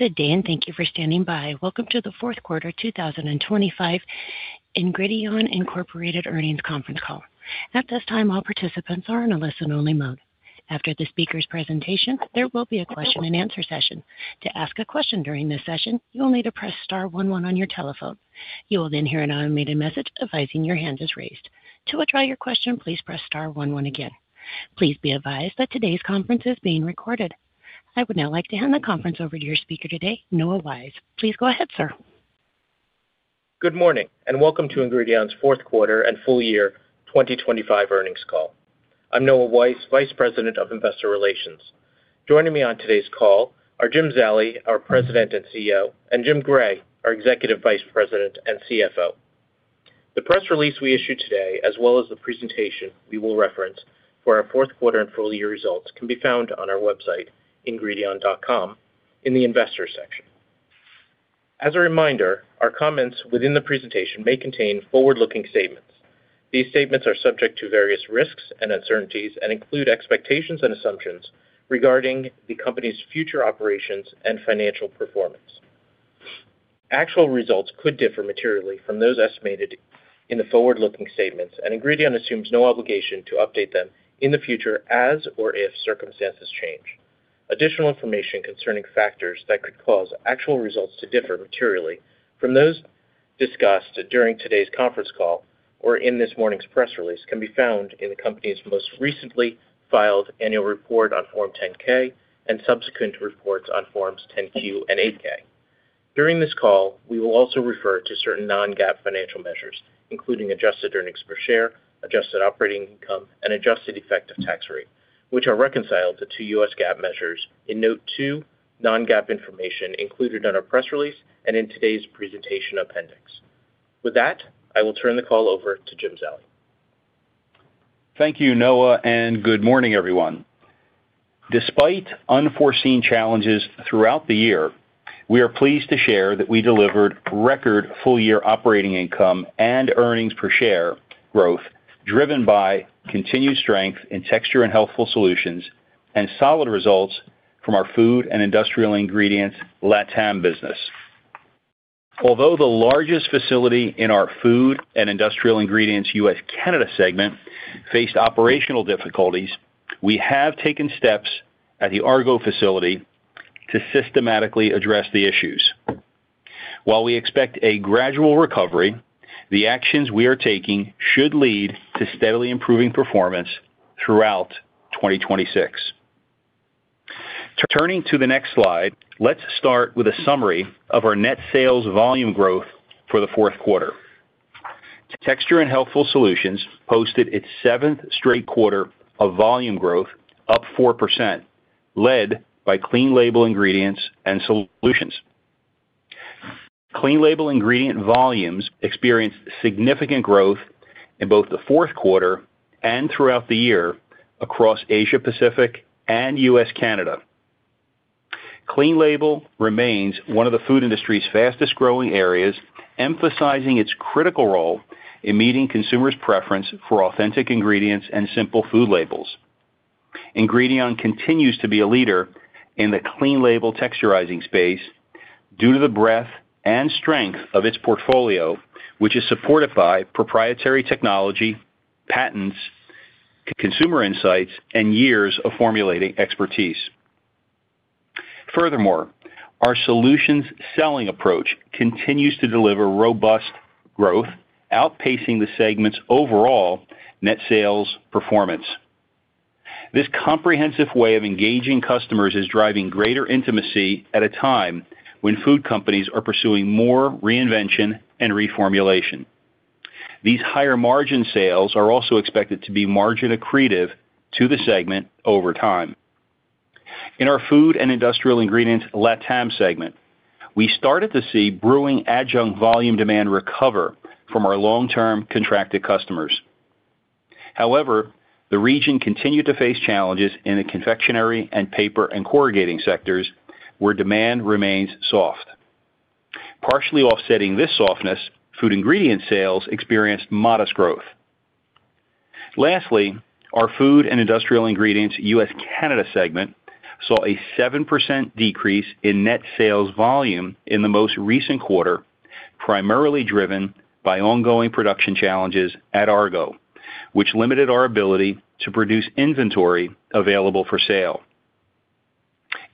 Good day, and thank you for standing by. Welcome to the fourth quarter 2025 Ingredion Incorporated Earnings Conference Call. At this time, all participants are in a listen-only mode. After the speaker's presentation, there will be a question and answer session. To ask a question during this session, you will need to press star 1, 1 on your telephone. You will then hear an automated message advising your hand is raised. To withdraw your question, please press star 1, 1 again. Please be advised that today's conference is being recorded. I would now like to hand the conference over to your speaker today, Noah Weiss. Please go ahead, sir. Good morning, and welcome to Ingredion's fourth quarter and full year 2025 earnings call. I'm Noah Weiss, Vice President of Investor Relations. Joining me on today's call are James Zallie, our President and CEO, and James Gray, our Executive Vice President and CFO. The press release we issued today, as well as the presentation we will reference for our fourth quarter and full year results, can be found on our website, ingredion.com, in the Investors section. As a reminder, our comments within the presentation may contain forward-looking statements. These statements are subject to various risks and uncertainties and include expectations and assumptions regarding the company's future operations and financial performance. Actual results could differ materially from those estimated in the forward-looking statements, and Ingredion assumes no obligation to update them in the future as or if circumstances change. Additional information concerning factors that could cause actual results to differ materially from those discussed during today's conference call or in this morning's press release can be found in the company's most recently filed annual report on Form 10-K and subsequent reports on Forms 10-Q and 8-K. During this call, we will also refer to certain non-GAAP financial measures, including adjusted earnings per share, adjusted operating income, and adjusted effective tax rate, which are reconciled to two U.S. GAAP measures in Note 2, non-GAAP information included in our press release and in today's presentation appendix. With that, I will turn the call over to James Zallie. Thank you, Noah, and good morning, everyone. Despite unforeseen challenges throughout the year, we are pleased to share that we delivered record full-year operating income and earnings per share growth, driven by continued strength in Texture and Healthful Solutions and solid results from our Food and Industrial Ingredients LATAM business. Although the largest facility in our Food and Industrial Ingredients U.S./Canada segment faced operational difficulties, we have taken steps at the Argo facility to systematically address the issues. While we expect a gradual recovery, the actions we are taking should lead to steadily improving performance throughout 2026. Turning to the next slide, let's start with a summary of our net sales volume growth for the fourth quarter. Texture and Healthful Solutions posted its seventh straight quarter of volume growth up 4%, led by clean label ingredients and solutions. Clean label ingredient volumes experienced significant growth in both the fourth quarter and throughout the year across Asia-Pacific and U.S./Canada. Clean label remains one of the food industry's fastest-growing areas, emphasizing its critical role in meeting consumers' preference for authentic ingredients and simple food labels. Ingredion continues to be a leader in the clean label texturizing space due to the breadth and strength of its portfolio, which is supported by proprietary technology, patents, consumer insights, and years of formulating expertise. Furthermore, our solutions selling approach continues to deliver robust growth, outpacing the segment's overall net sales performance. This comprehensive way of engaging customers is driving greater intimacy at a time when food companies are pursuing more reinvention and reformulation. These higher margin sales are also expected to be margin accretive to the segment over time. In our Food and Industrial Ingredients LATAM segment, we started to see brewing adjunct volume demand recover from our long-term contracted customers. However, the region continued to face challenges in the confectionery and paper and corrugating sectors, where demand remains soft. Partially offsetting this softness, food ingredient sales experienced modest growth. Lastly, our Food and Industrial Ingredients U.S./Canada segment saw a 7% decrease in net sales volume in the most recent quarter, primarily driven by ongoing production challenges at Argo, which limited our ability to produce inventory available for sale.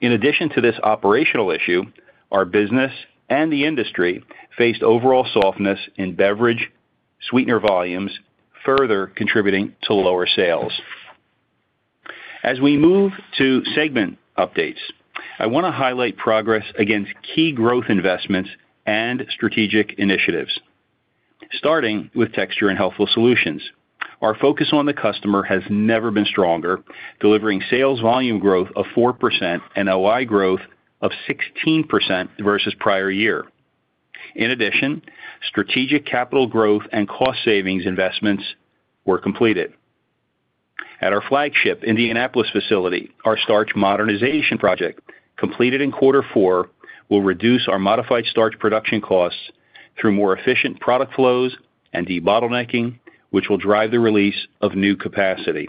In addition to this operational issue, our business and the industry faced overall softness in beverage sweetener volumes, further contributing to lower sales. As we move to segment updates, I want to highlight progress against key growth investments and strategic initiatives. Starting with Texture and Healthful Solutions. Our focus on the customer has never been stronger, delivering sales volume growth of 4% and OI growth of 16% versus prior year. In addition, strategic capital growth and cost savings investments were completed. At our flagship Indianapolis facility, our starch modernization project, completed in quarter four, will reduce our modified starch production costs through more efficient product flows and debottlenecking, which will drive the release of new capacity.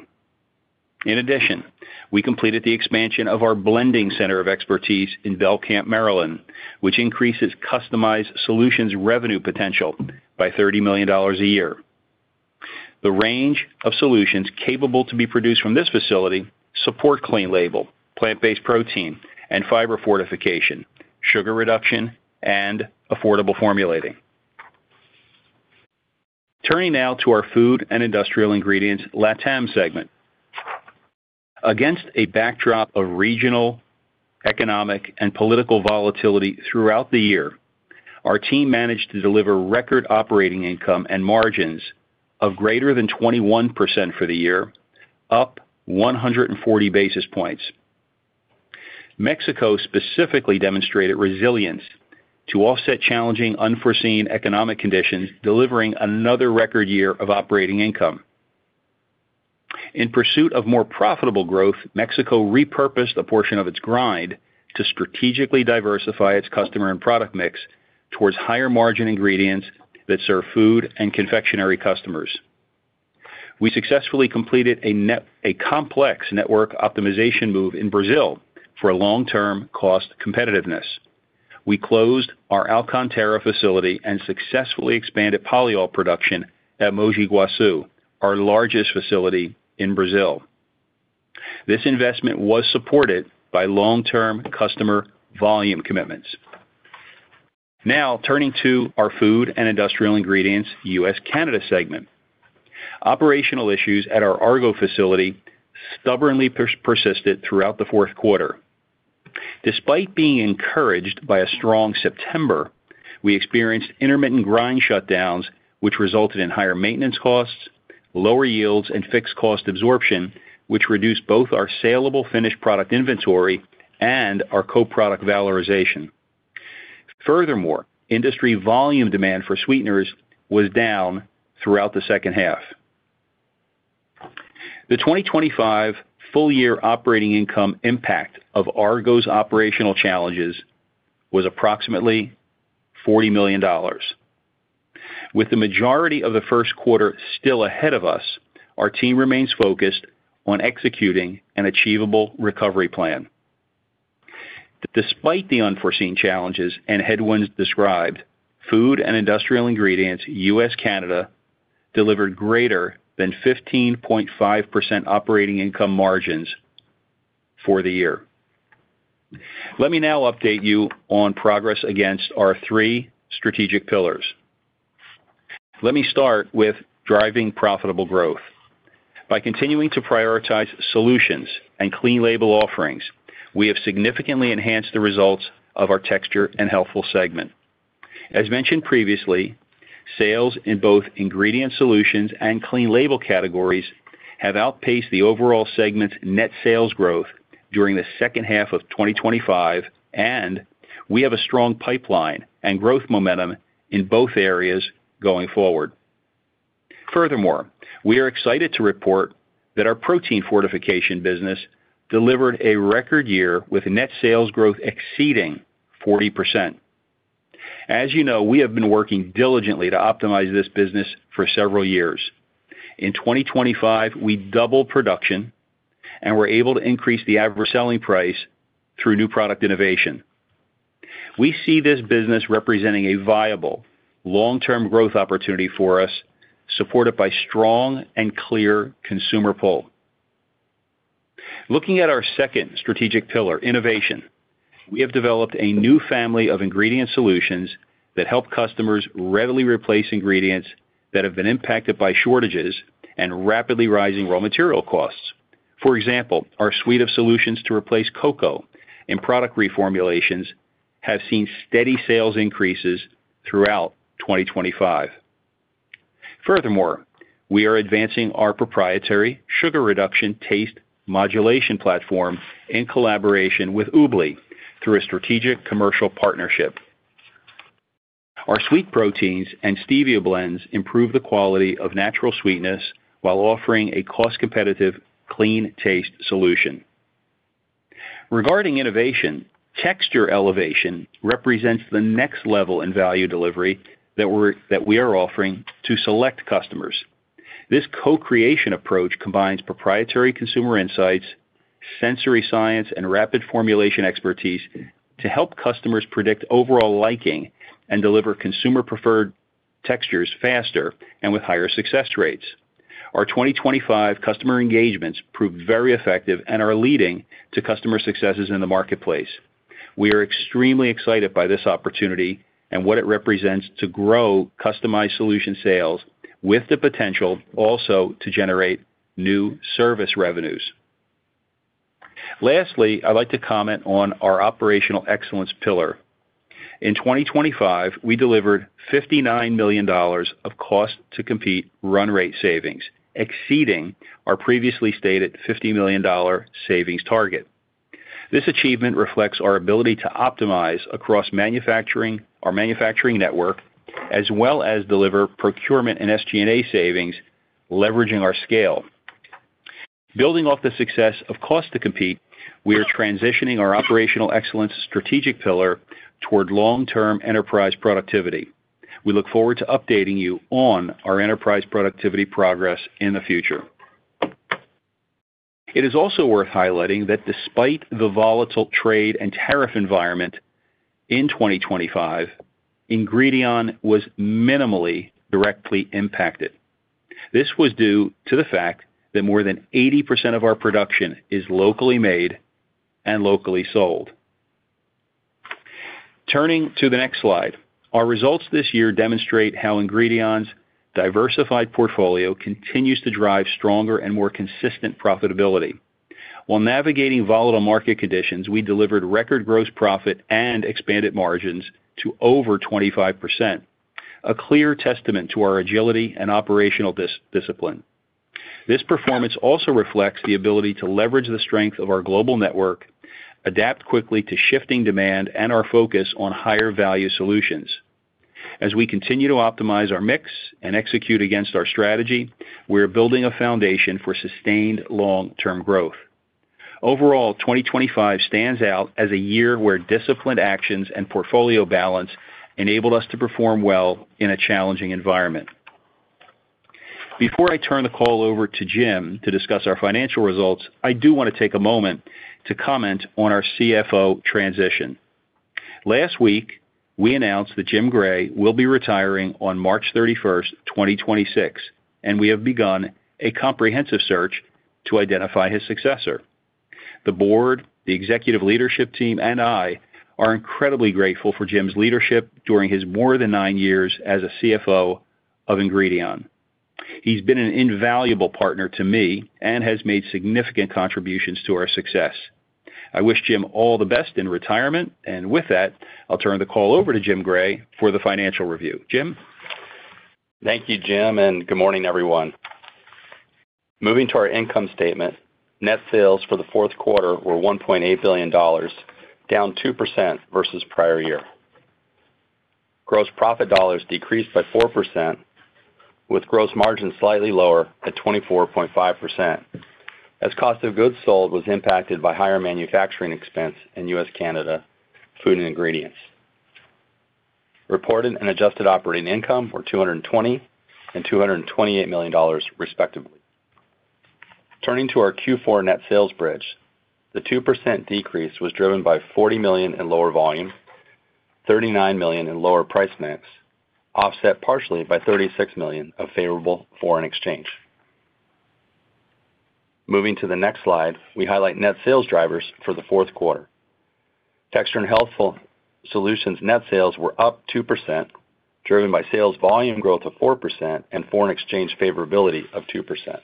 In addition, we completed the expansion of our blending center of expertise in Belcamp, Maryland, which increases customized solutions revenue potential by $30 million a year. The range of solutions capable to be produced from this facility support clean label, plant-based protein, and fiber fortification, sugar reduction, and affordable formulating. Turning now to our Food and Industrial Ingredients LATAM segment. Against a backdrop of regional, economic, and political volatility throughout the year, our team managed to deliver record operating income and margins of greater than 21% for the year, up 140 basis points. Mexico specifically demonstrated resilience to offset challenging, unforeseen economic conditions, delivering another record year of operating income. In pursuit of more profitable growth, Mexico repurposed a portion of its grind to strategically diversify its customer and product mix towards higher-margin ingredients that serve food and confectionery customers. We successfully completed a complex network optimization move in Brazil for long-term cost competitiveness. We closed our Alcântara facility and successfully expanded polyol production at Mogi Guaçu, our largest facility in Brazil. This investment was supported by long-term customer volume commitments. Now, turning to our Food and Industrial Ingredients U.S./Canada segment. Operational issues at our Argo facility stubbornly persisted throughout the fourth quarter. Despite being encouraged by a strong September, we experienced intermittent grind shutdowns, which resulted in higher maintenance costs, lower yields, and fixed cost absorption, which reduced both our salable finished product inventory and our co-product valorization. Furthermore, industry volume demand for sweeteners was down throughout the second half. The 2025 full year operating income impact of Argo's operational challenges was approximately $40 million. With the majority of the first quarter still ahead of us, our team remains focused on executing an achievable recovery plan. Despite the unforeseen challenges and headwinds described, Food and Industrial Ingredients U.S./Canada delivered greater than 15.5 operating income margins for the year. Let me now update you on progress against our three strategic pillars. Let me start with driving profitable growth. By continuing to prioritize solutions and clean label offerings, we have significantly enhanced the results of our Texture and Healthful segment. As mentioned previously, sales in both ingredient solutions and clean label categories have outpaced the overall segment's net sales growth during the second half of 2025, and we have a strong pipeline and growth momentum in both areas going forward. Furthermore, we are excited to report that our protein fortification business delivered a record year with net sales growth exceeding 40%. As you know, we have been working diligently to optimize this business for several years. In 2025, we doubled production and were able to increase the average selling price through new product innovation. We see this business representing a viable, long-term growth opportunity for us, supported by strong and clear consumer pull. Looking at our second strategic pillar, innovation, we have developed a new family of ingredient solutions that help customers readily replace ingredients that have been impacted by shortages and rapidly rising raw material costs. For example, our suite of solutions to replace cocoa in product reformulations have seen steady sales increases throughout 2025. Furthermore, we are advancing our proprietary sugar reduction taste modulation platform in collaboration with Oobli through a strategic commercial partnership. Our sweet proteins and stevia blends improve the quality of natural sweetness while offering a cost-competitive, clean taste solution. Regarding innovation, Texture Elevation represents the next level in value delivery that we are offering to select customers. This co-creation approach combines proprietary consumer insights, sensory science, and rapid formulation expertise to help customers predict overall liking and deliver consumer-preferred textures faster and with higher success rates. Our 2025 customer engagements proved very effective and are leading to customer successes in the marketplace. We are extremely excited by this opportunity and what it represents to grow customized solution sales, with the potential also to generate new service revenues. Lastly, I'd like to comment on our operational excellence pillar. In 2025, we delivered $59 million of cost-to-compete run rate savings, exceeding our previously stated $50 million savings target. This achievement reflects our ability to optimize across manufacturing, our manufacturing network, as well as deliver procurement and SG&A savings, leveraging our scale. Building off the success of cost-to-compete, we are transitioning our operational excellence strategic pillar toward long-term enterprise productivity. We look forward to updating you on our enterprise productivity progress in the future. It is also worth highlighting that despite the volatile trade and tariff environment in 2025, Ingredion was minimally directly impacted. This was due to the fact that more than 80% of our production is locally made and locally sold. Turning to the next slide, our results this year demonstrate how Ingredion's diversified portfolio continues to drive stronger and more consistent profitability. While navigating volatile market conditions, we delivered record gross profit and expanded margins to over 25%, a clear testament to our agility and operational discipline. This performance also reflects the ability to leverage the strength of our global network, adapt quickly to shifting demand, and our focus on higher value solutions. As we continue to optimize our mix and execute against our strategy, we are building a foundation for sustained long-term growth. Overall, 2025 stands out as a year where disciplined actions and portfolio balance enabled us to perform well in a challenging environment. Before I turn the call over to James to discuss our financial results, I do want to take a moment to comment on our CFO transition. Last week, we announced that James Gray will be retiring on March 31, 2026, and we have begun a comprehensive search to identify his successor. The board, the executive leadership team, and I are incredibly grateful for James's leadership during his more than nine years as a CFO of Ingredion. He's been an invaluable partner to me and has made significant contributions to our success. I wish James all the best in retirement, and with that, I'll turn the call over to James Gray for the financial review. James? Thank you, James, and good morning, everyone. Moving to our income statement. Net sales for the fourth quarter were $1.8 billion, down 2% versus prior year. Gross profit dollars decreased by 4%, with gross margin slightly lower at 24.5%, as cost of goods sold was impacted by higher manufacturing expense in U.S, Canada, food and ingredients. Reported and adjusted operating income were $220 million and $228 million, respectively. Turning to our Q4 net sales bridge, the 2% decrease was driven by $40 million in lower volume, $39 million in lower price mix, offset partially by $36 million of favorable foreign exchange. Moving to the next slide, we highlight net sales drivers for the fourth quarter. Texture and Healthful Solutions net sales were up 2%, driven by sales volume growth of 4% and foreign exchange favorability of 2%,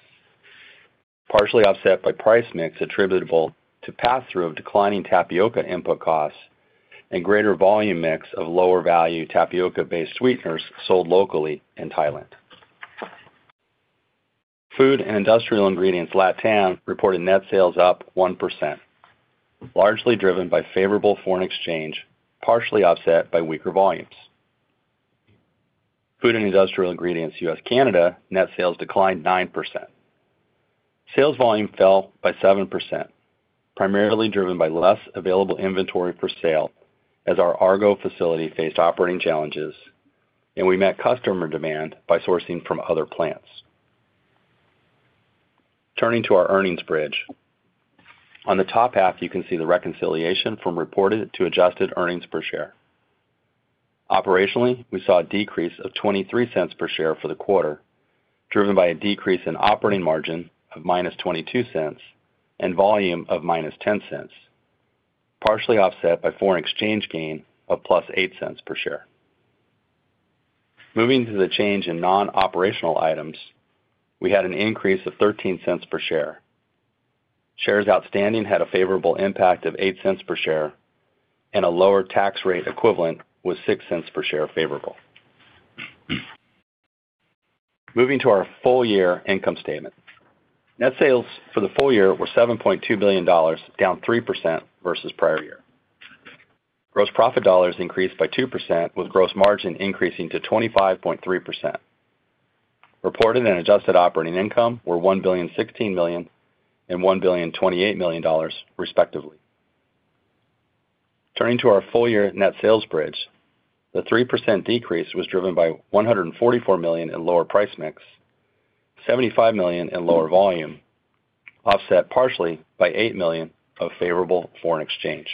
partially offset by price mix attributable to pass-through of declining tapioca input costs and greater volume mix of lower value tapioca-based sweeteners sold locally in Thailand. Food and Industrial Ingredients Latam reported net sales up 1%, largely driven by favorable foreign exchange, partially offset by weaker volumes. Food and Industrial Ingredients U.S./Canada net sales declined 9%. Sales volume fell by 7%, primarily driven by less available inventory for sale as our Argo facility faced operating challenges, and we met customer demand by sourcing from other plants. Turning to our earnings bridge. On the top half, you can see the reconciliation from reported to adjusted earnings per share. Operationally, we saw a decrease of $0.23 per share for the quarter, driven by a decrease in operating margin of -$0.22 and volume of -$0.10, partially offset by foreign exchange gain of +$0.08 per share. Moving to the change in non-operational items, we had an increase of $0.13 per share. Shares outstanding had a favorable impact of $0.08 per share, and a lower tax rate equivalent was $0.06 per share favorable. Moving to our full year income statement. Net sales for the full year were $7.2 billion, down 3% versus prior year. Gross profit dollars increased by 2%, with gross margin increasing to 25.3%. Reported and adjusted operating income were $1.016 billion and $1.028 billion, respectively. Turning to our full year net sales bridge, the 3% decrease was driven by $144 million in lower price mix, $75 million in lower volume, offset partially by $8 million of favorable foreign exchange.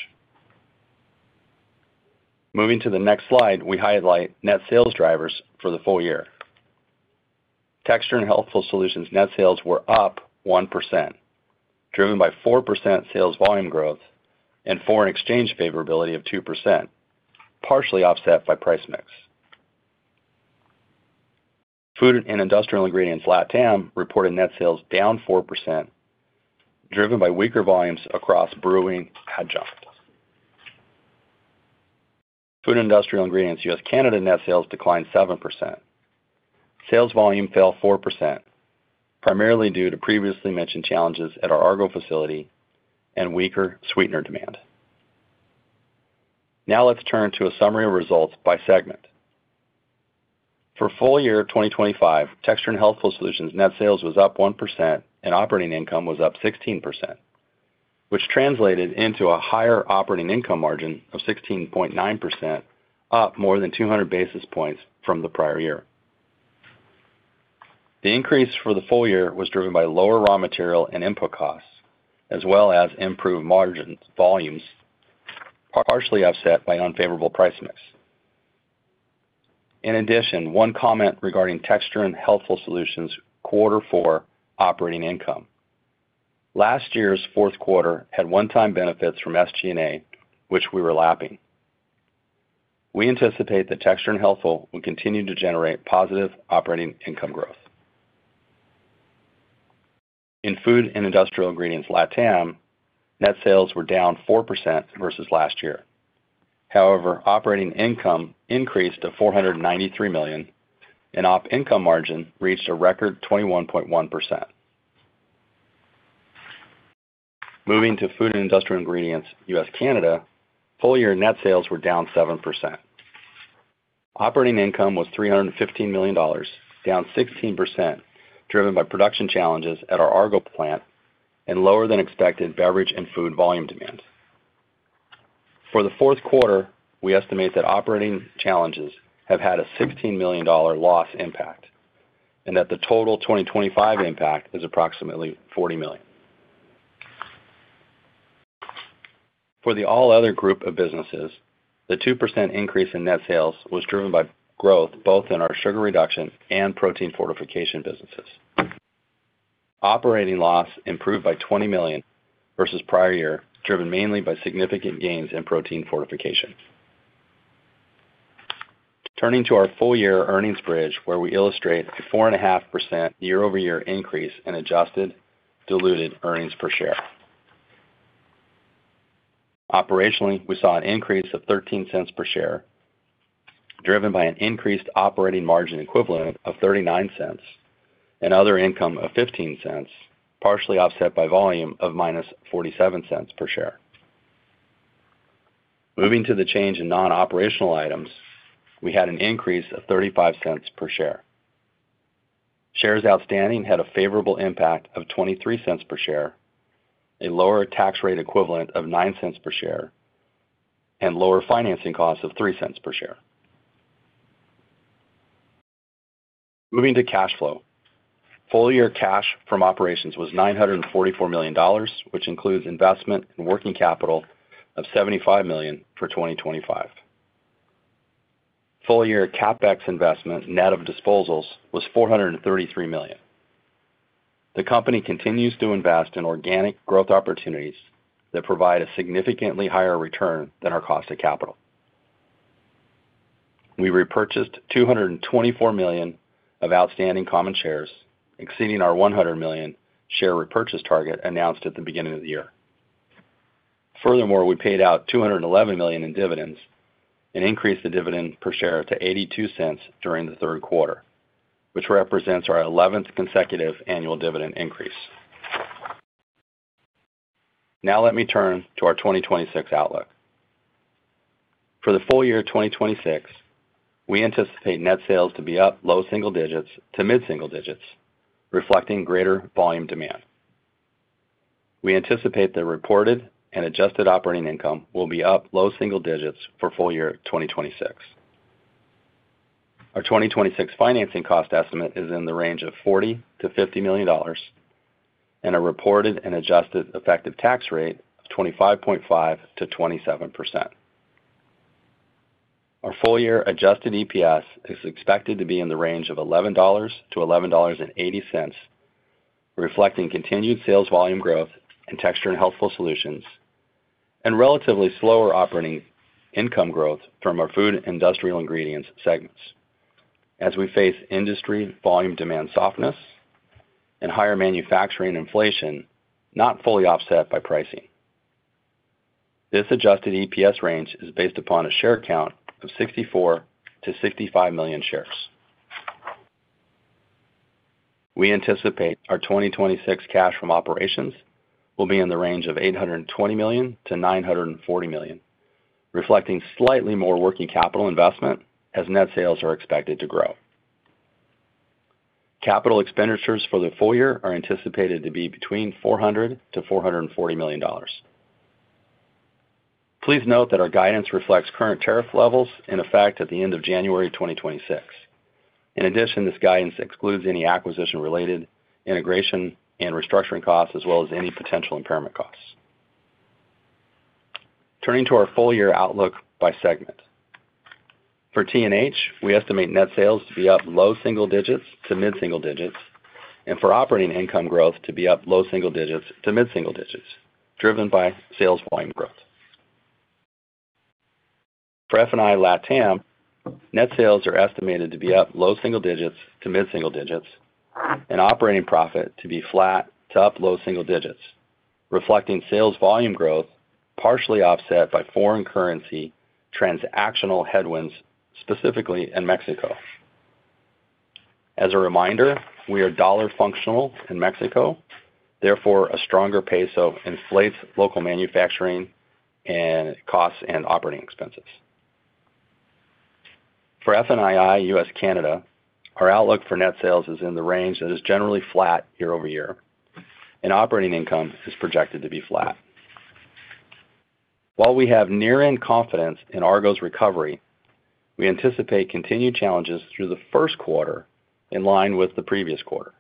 Moving to the next slide, we highlight net sales drivers for the full year. Texture and Healthful Solutions net sales were up 1%, driven by 4% sales volume growth and foreign exchange favorability of 2%, partially offset by price mix. Food and Industrial Ingredients Latam reported net sales down 4%, driven by weaker volumes across brewing adjuncts. Food and Industrial Ingredients U.S./Canada net sales declined 7%. Sales volume fell 4%, primarily due to previously mentioned challenges at our Argo facility and weaker sweetener demand. Now let's turn to a summary of results by segment. For full year 2025, Texture and Healthful Solutions net sales was up 1% and operating income was up 16%. which translated into a higher operating income margin of 16.9%, up more than 200 basis points from the prior year. The increase for the full year was driven by lower raw material and input costs, as well as improved margins, volumes, partially offset by unfavorable price mix. In addition, one comment regarding Texture and Healthful Solutions quarter four operating income. Last year's fourth quarter had one-time benefits from SG&A, which we were lapping. We anticipate that Texture and Healthful will continue to generate positive operating income growth. In Food and Industrial Ingredients Latam, net sales were down 4% versus last year. However, operating income increased to $493 million, and operating income margin reached a record 21.1%. Moving to Food and Industrial Ingredients U.S./Canada, full-year net sales were down 7%. Operating income was $315 million, down 16%, driven by production challenges at our Argo plant and lower than expected beverage and food volume demand. For the fourth quarter, we estimate that operating challenges have had a $16 million loss impact, and that the total 2025 impact is approximately $40 million. For the all other group of businesses, the 2% increase in net sales was driven by growth both in our sugar reduction and protein fortification businesses. Operating loss improved by $20 million versus prior year, driven mainly by significant gains in protein fortification. Turning to our full-year earnings bridge, where we illustrate the 4.5% year-over-year increase in adjusted diluted earnings per share. Operationally, we saw an increase of $0.13 per share, driven by an increased operating margin equivalent of $0.39 and other income of $0.15, partially offset by volume of -$0.47 per share. Moving to the change in non-operational items, we had an increase of $0.35 per share. Shares outstanding had a favorable impact of $0.23 per share, a lower tax rate equivalent of $0.09 per share, and lower financing costs of $0.03 per share. Moving to cash flow. Full year cash from operations was $944 million, which includes investment and working capital of $75 million for 2025. Full year CapEx investment, net of disposals, was $433 million. The company continues to invest in organic growth opportunities that provide a significantly higher return than our cost of capital. We repurchased $224 million of outstanding common shares, exceeding our $100 million share repurchase target announced at the beginning of the year. Furthermore, we paid out $211 million in dividends and increased the dividend per share to $0.82 during the third quarter, which represents our 11th consecutive annual dividend increase. Now let me turn to our 2026 outlook. For the full year 2026, we anticipate net sales to be up low single digits to mid-single digits, reflecting greater volume demand. We anticipate that reported and adjusted operating income will be up low single digits for full year 2026. Our 2026 financing cost estimate is in the range of $40 million-$50 million and a reported and adjusted effective tax rate of 25.5%-27%. Our full year adjusted EPS is expected to be in the range of $11-$11.80, reflecting continued sales volume growth in Texture and Healthful Solutions, and relatively slower operating income growth from our Food and Industrial Ingredients segments as we face industry volume demand softness and higher manufacturing inflation, not fully offset by pricing. This adjusted EPS range is based upon a share count of 64-65 million shares. We anticipate our 2026 cash from operations will be in the range of $820 million-$940 million, reflecting slightly more working capital investment as net sales are expected to grow. Capital expenditures for the full year are anticipated to be between $400-$440 million. Please note that our guidance reflects current tariff levels in effect at the end of January 2026. In addition, this guidance excludes any acquisition-related integration and restructuring costs, as well as any potential impairment costs. Turning to our full year outlook by segment. For T&H, we estimate net sales to be up low single digits to mid-single digits, and for operating income growth to be up low single digits to mid-single digits, driven by sales volume growth. For F&I Latam, net sales are estimated to be up low single digits to mid-single digits, and operating profit to be flat to up low single digits, reflecting sales volume growth, partially offset by foreign currency transactional headwinds, specifically in Mexico. As a reminder, we are dollar functional in Mexico; therefore, a stronger peso inflates local manufacturing and costs and operating expenses. For F&I U.S./Canada, our outlook for net sales is in the range that is generally flat year-over-year, and operating income is projected to be flat. While we have near-term confidence in Argo's recovery, we anticipate continued challenges through the first quarter in line with the previous quarter.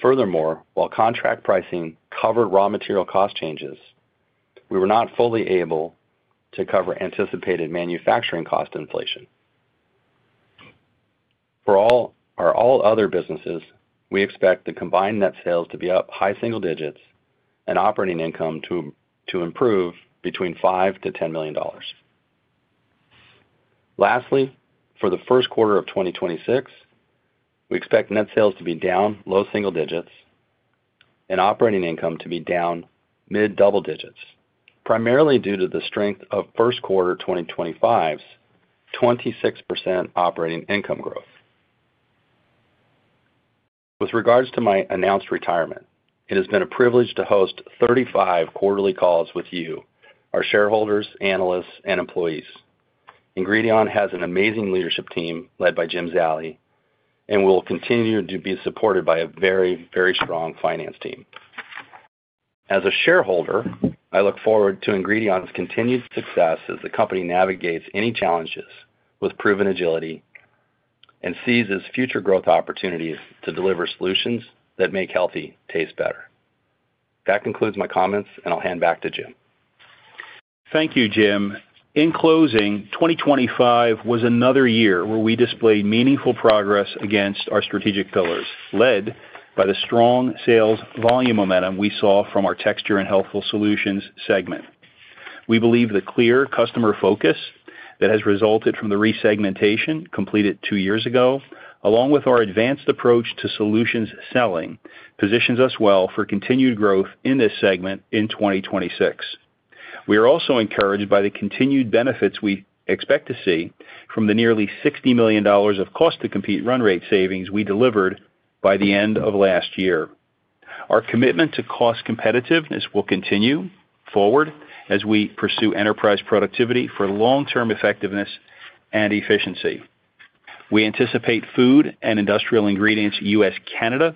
Furthermore, while contract pricing covered raw material cost changes, we were not fully able to cover anticipated manufacturing cost inflation. For all our other businesses, we expect the combined net sales to be up high single digits and operating income to improve $5 million-$10 million. Lastly, for the first quarter of 2026, we expect net sales to be down low single digits and operating income to be down mid double digits, primarily due to the strength of first quarter 2025's 26% operating income growth. With regards to my announced retirement, it has been a privilege to host 35 quarterly calls with you, our shareholders, analysts, and employees. Ingredion has an amazing leadership team led by James Zallie, and we will continue to be supported by a very, very strong finance team. As a shareholder, I look forward to Ingredion's continued success as the company navigates any challenges with proven agility and seizes future growth opportunities to deliver solutions that make healthy taste better. That concludes my comments, and I'll hand back to James. Thank you, James. In closing, 2025 was another year where we displayed meaningful progress against our strategic pillars, led by the strong sales volume momentum we saw from our Texture and Healthful Solutions segment. We believe the clear customer focus that has resulted from the resegmentation, completed two years ago, along with our advanced approach to solutions selling, positions us well for continued growth in this segment in 2026. We are also encouraged by the continued benefits we expect to see from the nearly $60 million of cost-to-compete run rate savings we delivered by the end of last year. Our commitment to cost competitiveness will continue forward as we pursue enterprise productivity for long-term effectiveness and efficiency. We anticipate Food and Industrial Ingredients U.S./Canada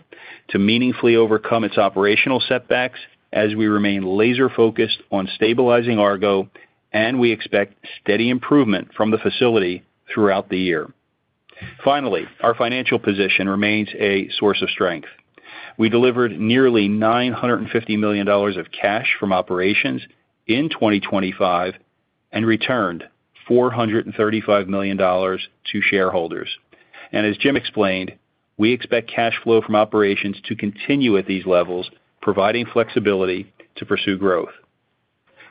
to meaningfully overcome its operational setbacks as we remain laser focused on stabilizing Argo, and we expect steady improvement from the facility throughout the year. Finally, our financial position remains a source of strength. We delivered nearly $950 million of cash from operations in 2025 and returned $435 million to shareholders. As James explained, we expect cash flow from operations to continue at these levels, providing flexibility to pursue growth.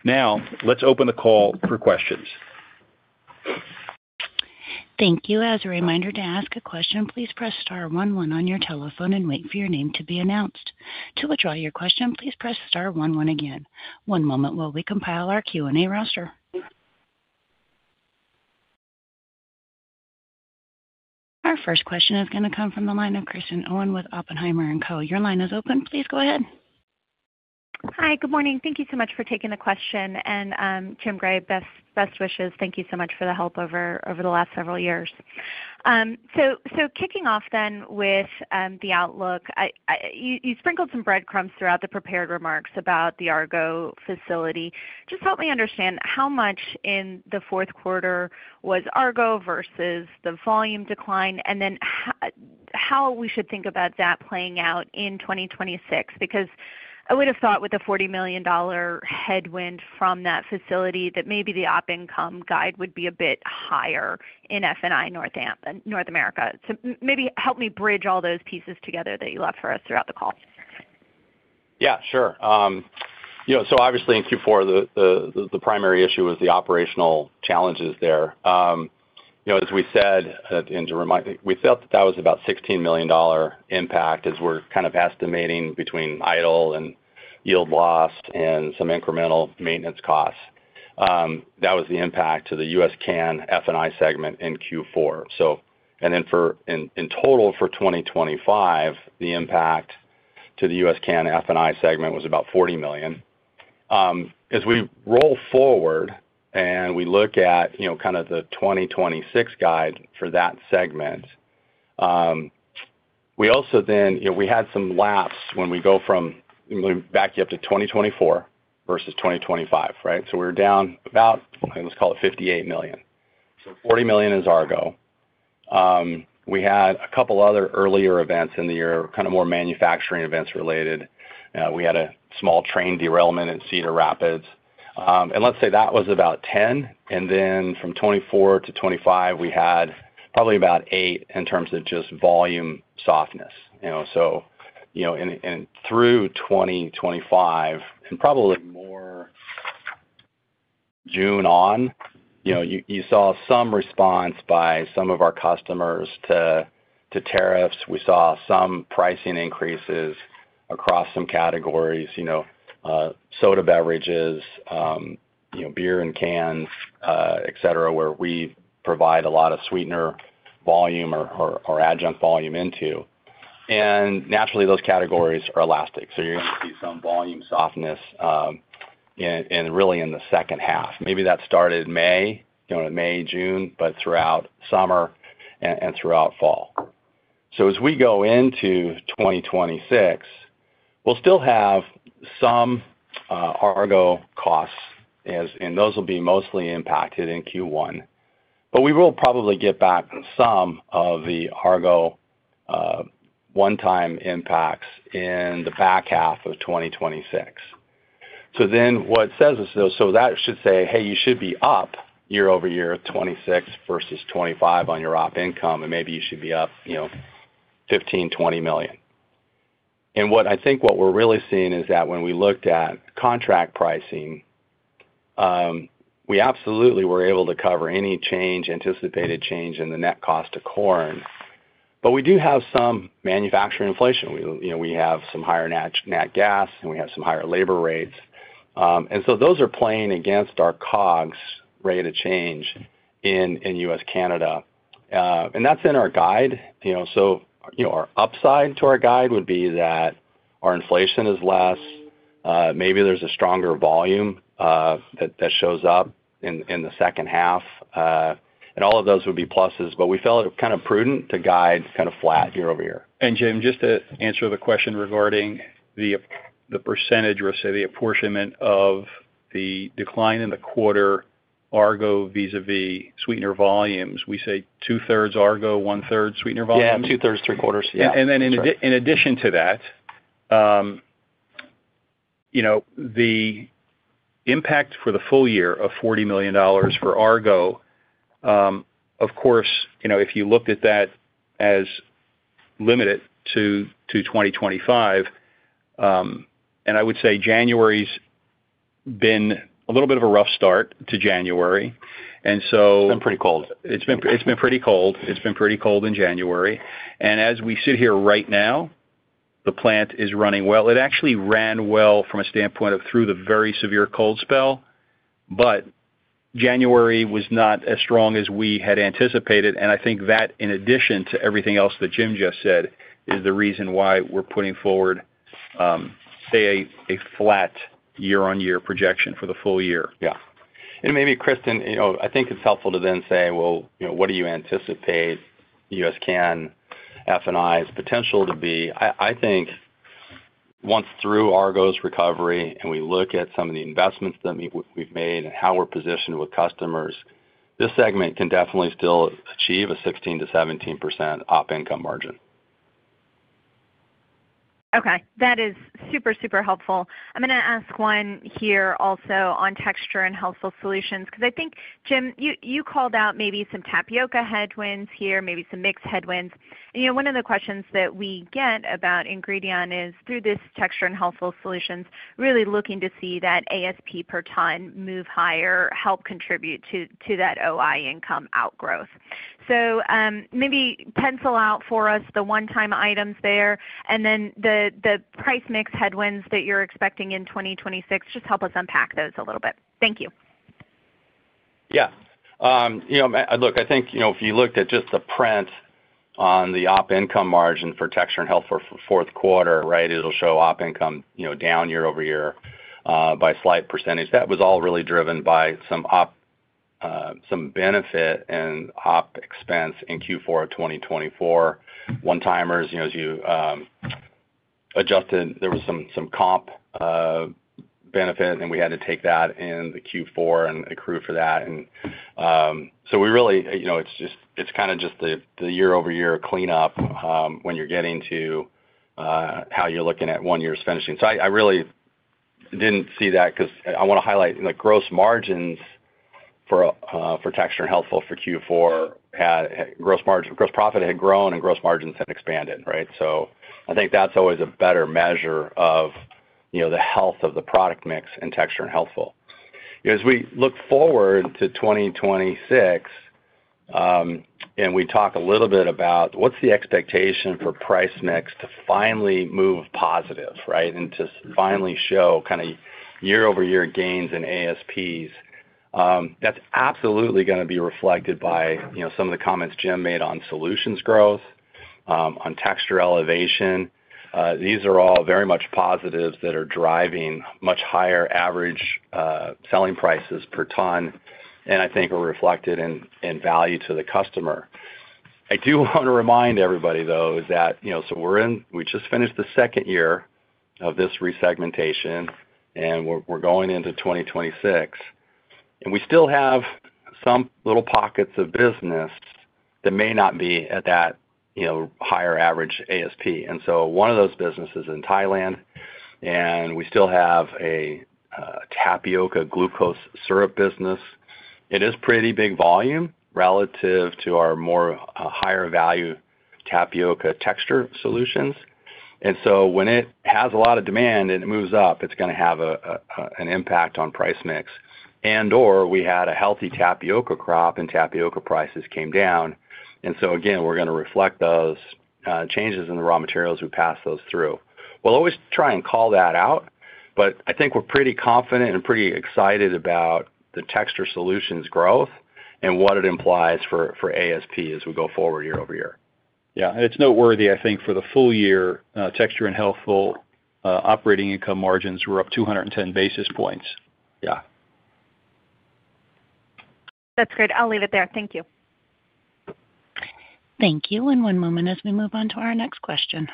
Now, let's open the call for questions. Thank you. As a reminder, to ask a question, please press star 1, 1 on your telephone and wait for your name to be announced. To withdraw your question, please press star 1, 1 again. One moment while we compile our Q&A roster. Our first question is gonna come from the line of Kristen Owen with Oppenheimer & Co. Your line is open. Please go ahead. Hi, good morning. Thank you so much for taking the question and James D. Gray, best wishes. Thank you so much for the help over the last several years. So kicking off then with the outlook, you sprinkled some breadcrumbs throughout the prepared remarks about the Argo facility. Just help me understand, how much in the fourth quarter was Argo versus the volume decline? And then, how we should think about that playing out in 2026, because I would have thought with a $40 million headwind from that facility, that maybe the op income guide would be a bit higher in F&I North America. So maybe help me bridge all those pieces together that you left for us throughout the call. Yeah, sure. So obviously in Q4, the primary issue was the operational challenges there. As we said, and to remind, we felt that that was about $16 million impact, as we're kind of estimating between idle and yield lost and some incremental maintenance costs. That was the impact to the U.S./Canada F&I segment in Q4. So, and then for, in total, for 2025, the impact to the U.S./Canada F&I segment was about $40 million. As we roll forward and we look at, you know, kind of the 2026 guide for that segment, we also then, you know, we had some laps when we go from back up to 2024 versus 2025, right? So we're down about, let's call it $58 million. So $40 million is Argo. We had a couple other earlier events in the year, kind of more manufacturing events related. We had a small train derailment in Cedar Rapids, and let's say that was about 10, and then from 2024 to 2025, we had probably about 8 in terms of just volume softness. So and through 2025 and probably from June on, you saw some response by some of our customers to tariffs. We saw some pricing increases across some categories, you know, soda beverages, beer and cans, et cetera, where we provide a lot of sweetener volume or adjunct volume into. And naturally, those categories are elastic, so you're gonna see some volume softness in really the second half. Maybe that started in May, in May, June, but throughout summer and throughout fall. So as we go into 2026, we'll still have some Argo costs, as and those will be mostly impacted in Q1. But we will probably get back some of the Argo one-time impacts in the back half of 2026. So then what it says is, though, so that should say, "Hey, you should be up year over year, 2026 versus 2025 on your op income, and maybe you should be up, $15 million-$20 million." And what I think what we're really seeing is that when we looked at contract pricing, we absolutely were able to cover any change, anticipated change in the net cost of corn. But we do have some manufacturing inflation. We have some higher natural gas, and we have some higher labor rates. And so those are playing against our COGS rate of change in U.S./Canada. And that's in our guide, so our upside to our guide would be that our inflation is less, maybe there's a stronger volume, that shows up in the second half. And all of those would be pluses, but we felt it kind of prudent to guide kind of flat year-over-year. And James, just to answer the question regarding the percentage, or say, the apportionment of the decline in the quarter, Argo vis-a-vis sweetener volumes, we say 2/3 Argo, 1/3 sweetener volume? Yeah, 2/3, three-quarters. Yeah. And then in addition to that, you know, the impact for the full year of $40 million for Argo, of course, you know, if you looked at that as limited to 2025, and I would say January's been a little bit of a rough start to January. And so It's been pretty cold. It's been pretty cold. It's been pretty cold in January. As we sit here right now, the plant is running well. It actually ran well from a standpoint of through the very severe cold spell, but January was not as strong as we had anticipated, and I think that, in addition to everything else that James just said, is the reason why we're putting forward, say, a flat year-on-year projection for the full year. Yeah. And maybe, Kristen, you know, I think it's helpful to then say, well, you know, what do you anticipate U.S, Canada, F&I's potential to be? I, I think once through Argo's recovery, and we look at some of the investments that we, we've made and how we're positioned with customers, this segment can definitely still achieve a 16%-17% op income margin. Okay, that is super, super helpful. I'm gonna ask one here also on Texture and Healthful Solutions, because I think, James, you, you called out maybe some tapioca headwinds here, maybe some mixed headwinds. And, you know, one of the questions that we get about Ingredion is through this Texture and Healthful Solutions, really looking to see that ASP per ton move higher, help contribute to, to that OI income outgrowth. So, maybe pencil out for us the one-time items there, and then the, the price mix headwinds that you're expecting in 2026, just help us unpack those a little bit. Thank you. Yeah. look, I think, if you looked at just the print on the op income margin for texture and health for fourth quarter, right, it'll show op income, down year-over-year, by a slight percentage. That was all really driven by some benefit and op expense in Q4 of 2024. One-timers, as you, adjusted, there was some, some comp, benefit, and we had to take that in the Q4 and accrue for that. So we really, it's just- it's kinda just the, the year-over-year cleanup, when you're getting to, how you're looking at one year's finishing. So I really didn't see that because I wanna highlight the gross margins for texture and healthful for Q4 had gross margin, gross profit had grown and gross margins had expanded, right? So I think that's always a better measure of, you know, the health of the product mix in texture and healthful. As we look forward to 2026, and we talk a little bit about what's the expectation for price mix to finally move positive, right? And to finally show kinda year-over-year gains in ASPs. That's absolutely gonna be reflected by, you know, some of the comments James made on solutions growth, on Texture Elevation. These are all very much positives that are driving much higher average selling prices per ton, and I think are reflected in value to the customer. I do want to remind everybody, though, is that, you know, so we're in, we just finished the second year of this resegmentation, and we're going into 2026, and we still have some little pockets of business that may not be at that, you know, higher average ASP. And so one of those businesses in Thailand, and we still have a tapioca glucose syrup business. It is pretty big volume relative to our more higher value tapioca texture solutions. And so when it has a lot of demand and it moves up, it's gonna have an impact on price mix, and/or we had a healthy tapioca crop and tapioca prices came down. And so again, we're gonna reflect those changes in the raw materials we pass those through. We'll always try and call that out. But I think we're pretty confident and pretty excited about the Texture Solutions growth and what it implies for ASP as we go forward year over year. Yeah, and it's noteworthy, I think, for the full year, Texture and Healthful operating income margins were up 210 basis points. Yeah. That's great. I'll leave it there. Thank you. Thank you. One moment as we move on to our next question.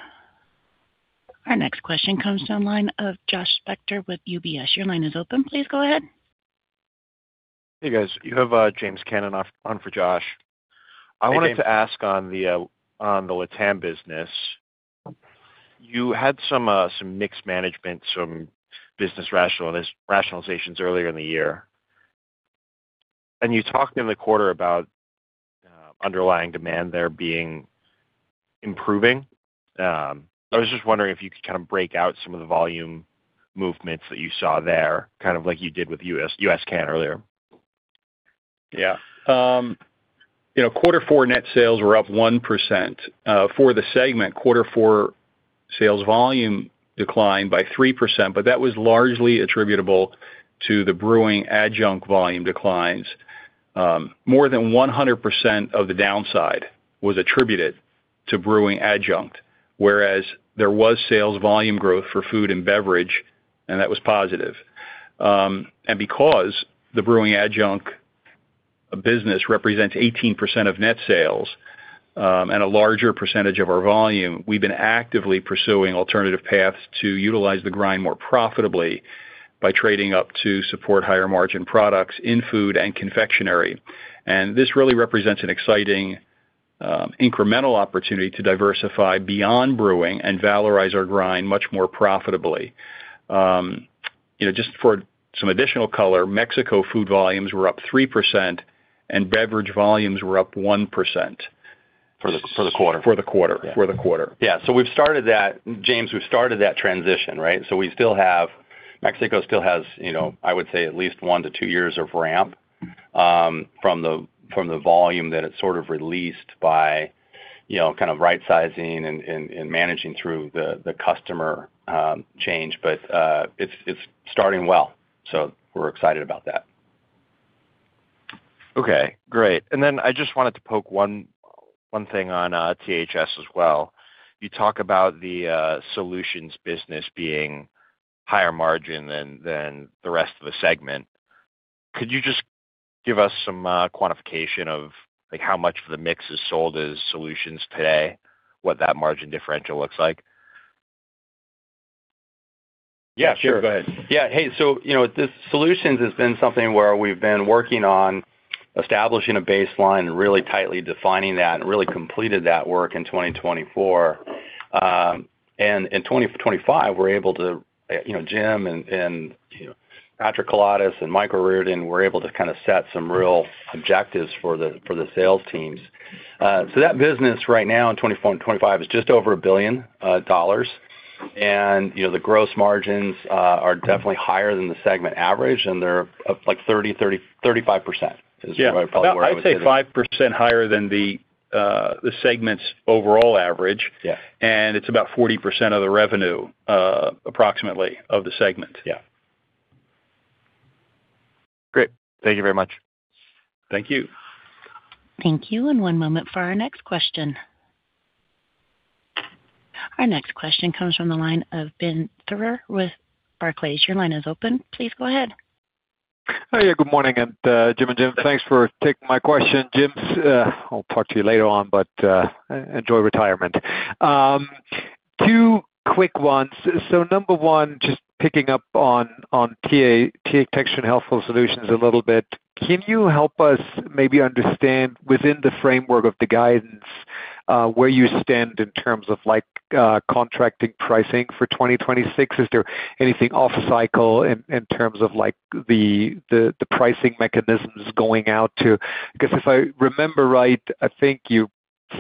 Our next question comes to the line of Josh Spector with UBS. Your line is open. Please go ahead. Hey, guys, you have James Cannon on for Josh. I wanted to ask on the LATAM business. You had some mixed management, some business rationalizations earlier in the year. You talked in the quarter about underlying demand there being improving. I was just wondering if you could kind of break out some of the volume movements that you saw there, kind of like you did with U.S, U.S./Canada earlier. Yeah. Quarter four net sales were up 1%. For the segment, quarter four sales volume declined by 3%, but that was largely attributable to the brewing adjunct volume declines. More than 100% of the downside was attributed to brewing adjunct, whereas there was sales volume growth for food and beverage, and that was positive. And because the brewing adjunct business represents 18% of net sales, and a larger percentage of our volume, we've been actively pursuing alternative paths to utilize the grind more profitably by trading up to support higher margin products in food and confectionery. And this really represents an exciting, incremental opportunity to diversify beyond brewing and valorize our grind much more profitably. Just for some additional color, Mexico food volumes were up 3%, and beverage volumes were up 1%. For the quarter. For the quarter. For the quarter. Yeah, so we've started that, James, we've started that transition, right? So we still have, Mexico still has, I would say, at least 1-2 years of ramp, from the, from the volume that it sort of released by, kind of rightsizing and, and, and managing through the, the customer change. But, it's, it's starting well, so we're excited about that. Okay, great. And then I just wanted to poke one thing on THS as well. You talk about the solutions business being higher margin than the rest of the segment. Could you just give us some quantification of, like, how much of the mix is sold as solutions today, what that margin differential looks like? Yeah, sure. Go ahead. Yeah. Hey, so, the solutions has been something where we've been working on establishing a baseline, really tightly defining that, and really completed that work in 2024. And in 2025, we're able to, James and, Patrick Kalatas and Michael O'Riordan were able to kind of set some real objectives for the, for the sales teams. So that business right now, in 2024 and 2025, is just over $1 billion. And, the gross margins are definitely higher than the segment average, and they're up, like, 30%-35% is probably where- Yeah, I'd say 5% higher than the segment's overall average. Yeah. It's about 40% of the revenue, approximately, of the segment. Yeah. Great. Thank you very much. Thank you. Thank you, and one moment for our next question. Our next question comes from the line of Ben Theurer with Barclays. Your line is open. Please go ahead. Oh, yeah, good morning, and James and James, thanks for taking my question. James, I'll talk to you later on, but enjoy retirement. Two quick ones. So number one, just picking up on Texture and Healthful Solutions a little bit, can you help us maybe understand, within the framework of the guidance, where you stand in terms of like contracting pricing for 2026? Is there anything off cycle in terms of like the pricing mechanisms going out to. Because if I remember right, I think you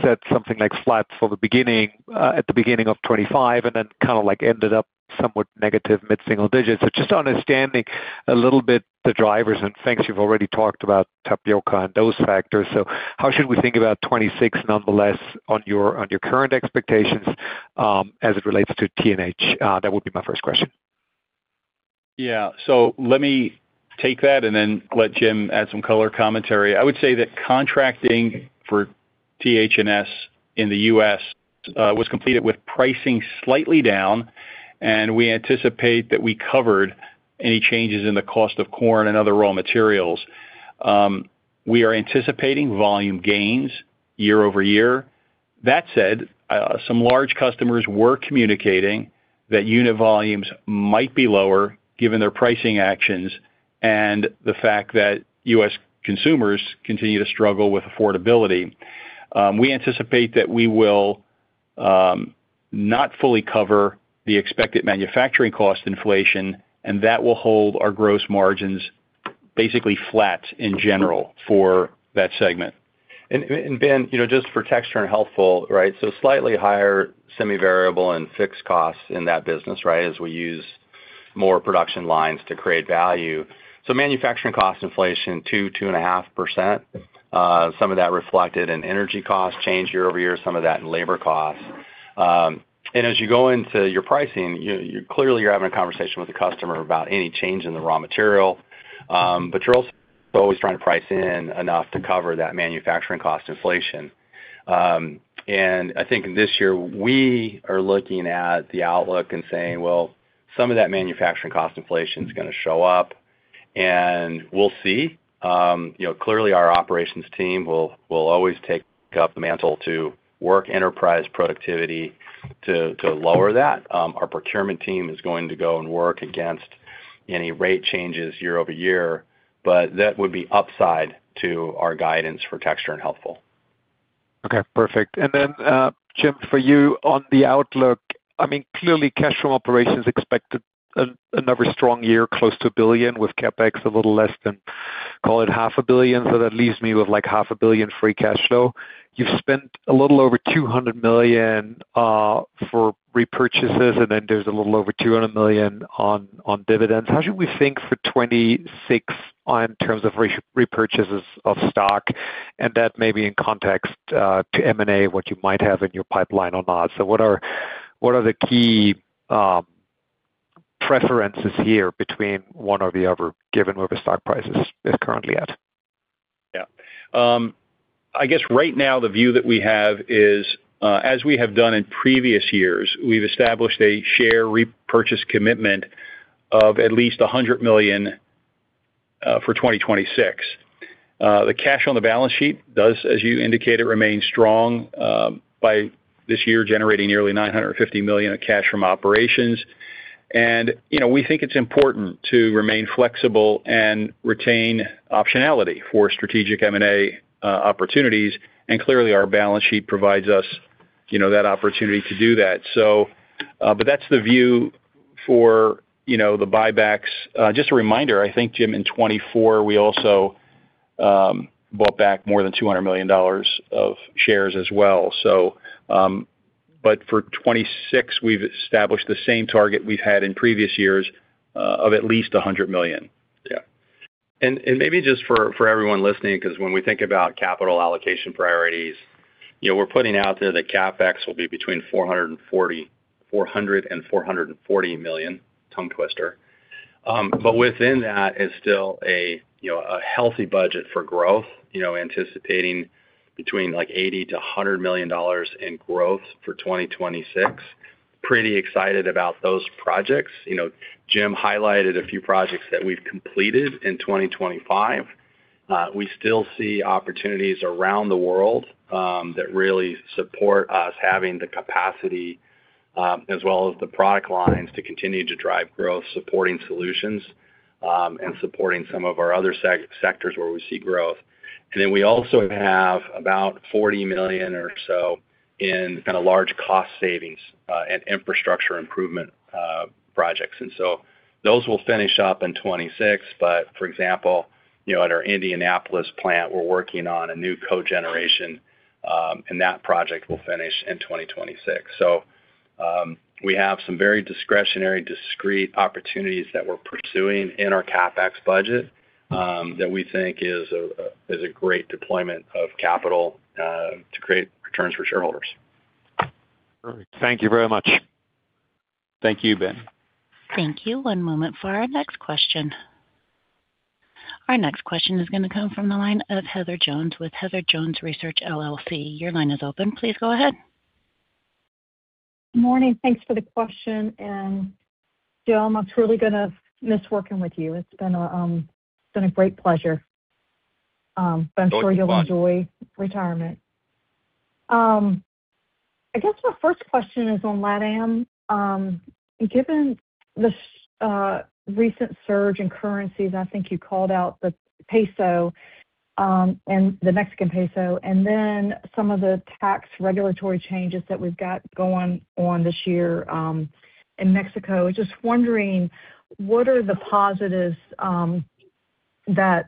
said something like flat for the beginning at the beginning of 2025, and then kind of like ended up somewhat negative mid-single digits. So just understanding a little bit the drivers and things you've already talked about, tapioca and those factors. So how should we think about 26, nonetheless, on your current expectations, as it relates to TNH? That would be my first question. Yeah, so let me take that and then let James add some color commentary. I would say that contracting for TH and S in the U.S. was completed with pricing slightly down, and we anticipate that we covered any changes in the cost of corn and other raw materials. We are anticipating volume gains year-over-year. That said, some large customers were communicating that unit volumes might be lower given their pricing actions and the fact that U.S. consumers continue to struggle with affordability. We anticipate that we will not fully cover the expected manufacturing cost inflation, and that will hold our gross margins basically flat in general for that segment. Ben, just for Texture and Healthful, right? So slightly higher semi-variable and fixed costs in that business, right, as we use more production lines to create value. So manufacturing cost inflation, 2.5%. Some of that reflected in energy cost change year-over-year, some of that in labor costs. And as you go into your pricing, you, you clearly, you're having a conversation with the customer about any change in the raw material. But you're also always trying to price in enough to cover that manufacturing cost inflation. And I think in this year, we are looking at the outlook and saying, well, some of that manufacturing cost inflation is gonna show up, and we'll see. You know, clearly, our operations team will always take up the mantle to work enterprise productivity to lower that. Our procurement team is going to go and work against any rate changes year-over-year, but that would be upside to our guidance for Texture and Healthful. Okay, perfect. And then, James, for you on the outlook, I mean, clearly, cash from operations expected another strong year, close to $1 billion, with CapEx a little less than, call it, $500 million. So that leaves me with, like, $500 million free cash flow. You've spent a little over $200 million for repurchases, and then there's a little over $200 million on dividends. How should we think for 2026 on terms of repurchases of stock? And that may be in context to M&A, what you might have in your pipeline or not. So what are the key preferences here between one or the other, given where the stock price is currently at? Yeah. I guess right now, the view that we have is, as we have done in previous years, we've established a share repurchase commitment of at least $100 million for 2026. The cash on the balance sheet does, as you indicated, remain strong, by this year, generating nearly $950 million of cash from operations. And, you know, we think it's important to remain flexible and retain optionality for strategic M&A opportunities, and clearly, our balance sheet provides us, you know, that opportunity to do that. So, but that's the view for, you know, the buybacks. Just a reminder, I think, James, in 2024, we also bought back more than $200 million of shares as well. But for 2026, we've established the same target we've had in previous years, of at least $100 million. Yeah. Maybe just for everyone listening, 'cause when we think about capital allocation priorities, we're putting out there that CapEx will be between $400 million-$440 million, tongue twister. But within that is still a healthy budget for growth, you know, anticipating between, like, $80 million-$100 million in growth for 2026. Pretty excited about those projects. James highlighted a few projects that we've completed in 2025. We still see opportunities around the world that really support us having the capacity, as well as the product lines to continue to drive growth, supporting solutions, and supporting some of our other seg-sectors where we see growth. And then we also have about $40 million or so in kind of large cost savings and infrastructure improvement projects. And so those will finish up in 2026. But for example, you know, at our Indianapolis plant, we're working on a new cogeneration, and that project will finish in 2026. So, we have some very discretionary, discrete opportunities that we're pursuing in our CapEx budget, that we think is a great deployment of capital to create returns for shareholders. Perfect. Thank you very much. Thank you, Ben. Thank you. One moment for our next question. Our next question is gonna come from the line of Heather Jones with Heather Jones Research LLC. Your line is open. Please go ahead. Morning. Thanks for the question. And James, I'm truly gonna miss working with you. It's been a great pleasure, but Thank you so much. I'm sure you'll enjoy retirement. I guess my first question is on LatAm. Given the recent surge in currencies, I think you called out the peso and the Mexican peso, and then some of the tax regulatory changes that we've got going on this year in Mexico. Just wondering, what are the positives that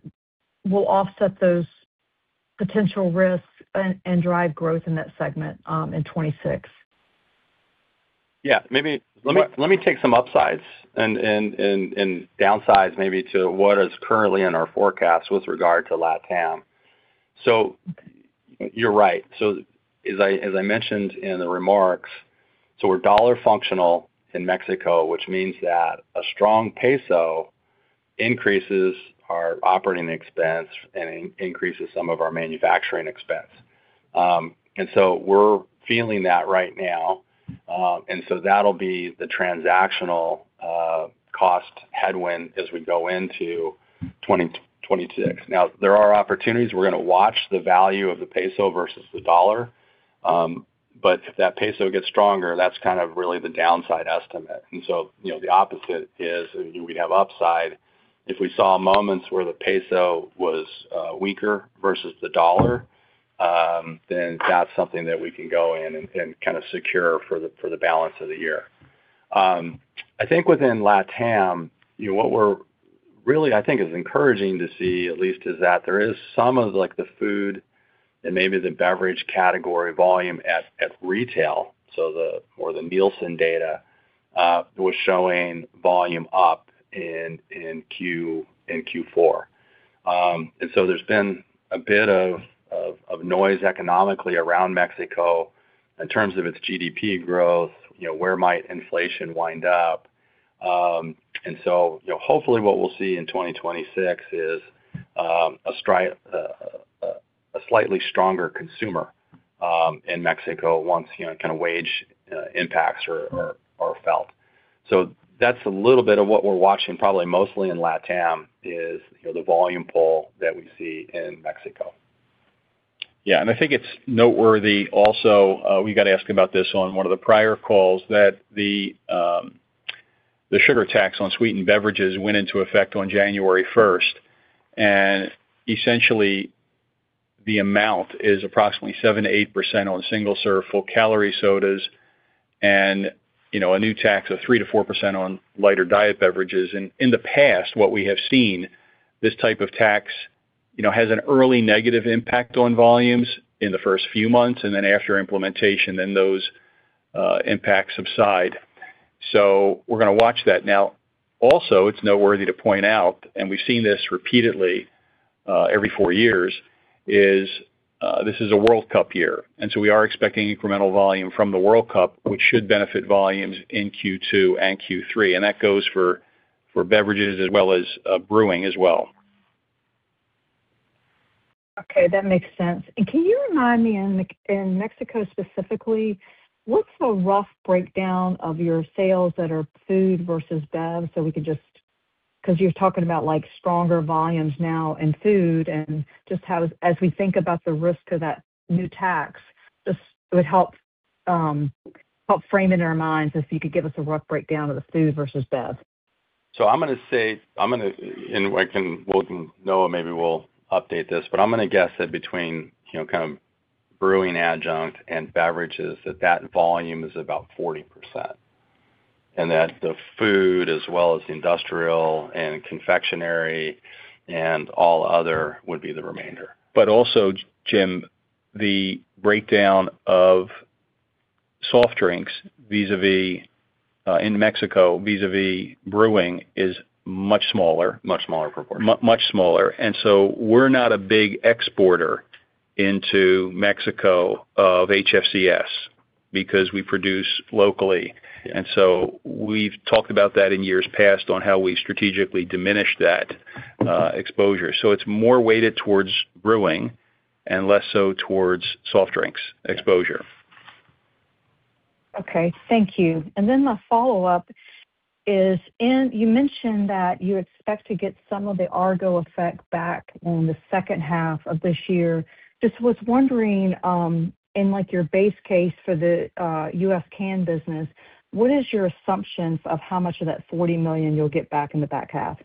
will offset those potential risks and drive growth in that segment in 2026? Yeah, maybe. Let me take some upsides and downsides maybe to what is currently in our forecast with regard to LatAm. So you're right. So as I mentioned in the remarks, we're dollar functional in Mexico, which means that a strong peso increases our operating expense and increases some of our manufacturing expense. And so we're feeling that right now, and so that'll be the transactional cost headwind as we go into 2026. Now, there are opportunities. We're gonna watch the value of the peso versus the dollar, but if that peso gets stronger, that's kind of really the downside estimate. And the opposite is, we'd have upside. If we saw moments where the peso was weaker versus the dollar, then that's something that we can go in and kind of secure for the balance of the year. I think within LatAm, you know, what we're really, I think, is encouraging to see, at least, is that there is some of, like, the food and maybe the beverage category volume at retail. So the more the Nielsen data was showing volume up in Q4. And so there's been a bit of noise economically around Mexico in terms of its GDP growth, you know, where might inflation wind up? So, you know, hopefully what we'll see in 2026 is a slightly stronger consumer in Mexico once, you know, kind of wage impacts are felt. So that's a little bit of what we're watching, probably mostly in LatAm, is, you know, the volume pull that we see in Mexico. Yeah, and I think it's noteworthy also, we got asked about this on one of the prior calls, that the sugar tax on sweetened beverages went into effect on January 1st. And essentially, the amount is approximately 7%-8% on single-serve full-calorie sodas and, you know, a new tax of 3%-4% on lighter diet beverages. And in the past, what we have seen, this type of tax, you know, has an early negative impact on volumes in the first few months, and then after implementation, then those impacts subside. So we're gonna watch that. Now, also, it's noteworthy to point out, and we've seen this repeatedly every four years, is this is a World Cup year, and so we are expecting incremental volume from the World Cup, which should benefit volumes in Q2 and Q3, and that goes for, for beverages as well as brewing as well. Okay, that makes sense. And can you remind me in Mexico specifically, what's the rough breakdown of your sales that are food versus bev, so we could just 'cause you're talking about, like, stronger volumes now in food and just how as we think about the risk of that new tax, just it would help, help frame it in our minds if you could give us a rough breakdown of the food versus bev. So I'm gonna say, well, Noah, maybe will update this, but I'm gonna guess that between, you know, kind of brewing adjunct and beverages, that that volume is about 40%, and that the food as well as the industrial and confectionery and all other would be the remainder. But also, James, the breakdown of soft drinks vis-à-vis in Mexico vis-à-vis brewing is much smaller. Much smaller proportion. Much smaller. And so we're not a big exporter into Mexico of HFCS because we produce locally. Yeah. And so we've talked about that in years past on how we strategically diminished that exposure. So it's more weighted towards brewing and less so towards soft drinks exposure. Okay, thank you. And then the follow-up is, in you mentioned that you expect to get some of the Argo effect back in the second half of this year. Just was wondering, in, like, your base case for the U.S. canned business, what is your assumptions of how much of that $40 million you'll get back in the back half?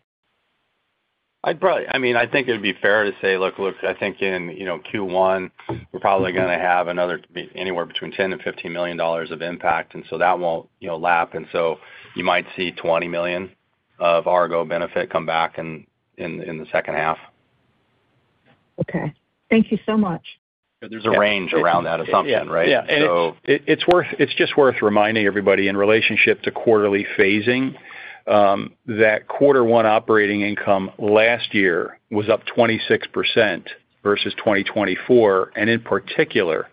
I'd probably, I mean, I think it'd be fair to say, look, look, I think in, you know, Q1, we're probably gonna have another anywhere between $10 million and $15 million of impact, and so that won't, you know, lap, and so you might see $20 million of Argo benefit come back in, in, in the second half. Okay. Thank you so much. There's a range around that assumption, right? Yeah, yeah. So It's just worth reminding everybody in relationship to quarterly phasing, that quarter one operating income last year was up 26% versus 2024, and in particular,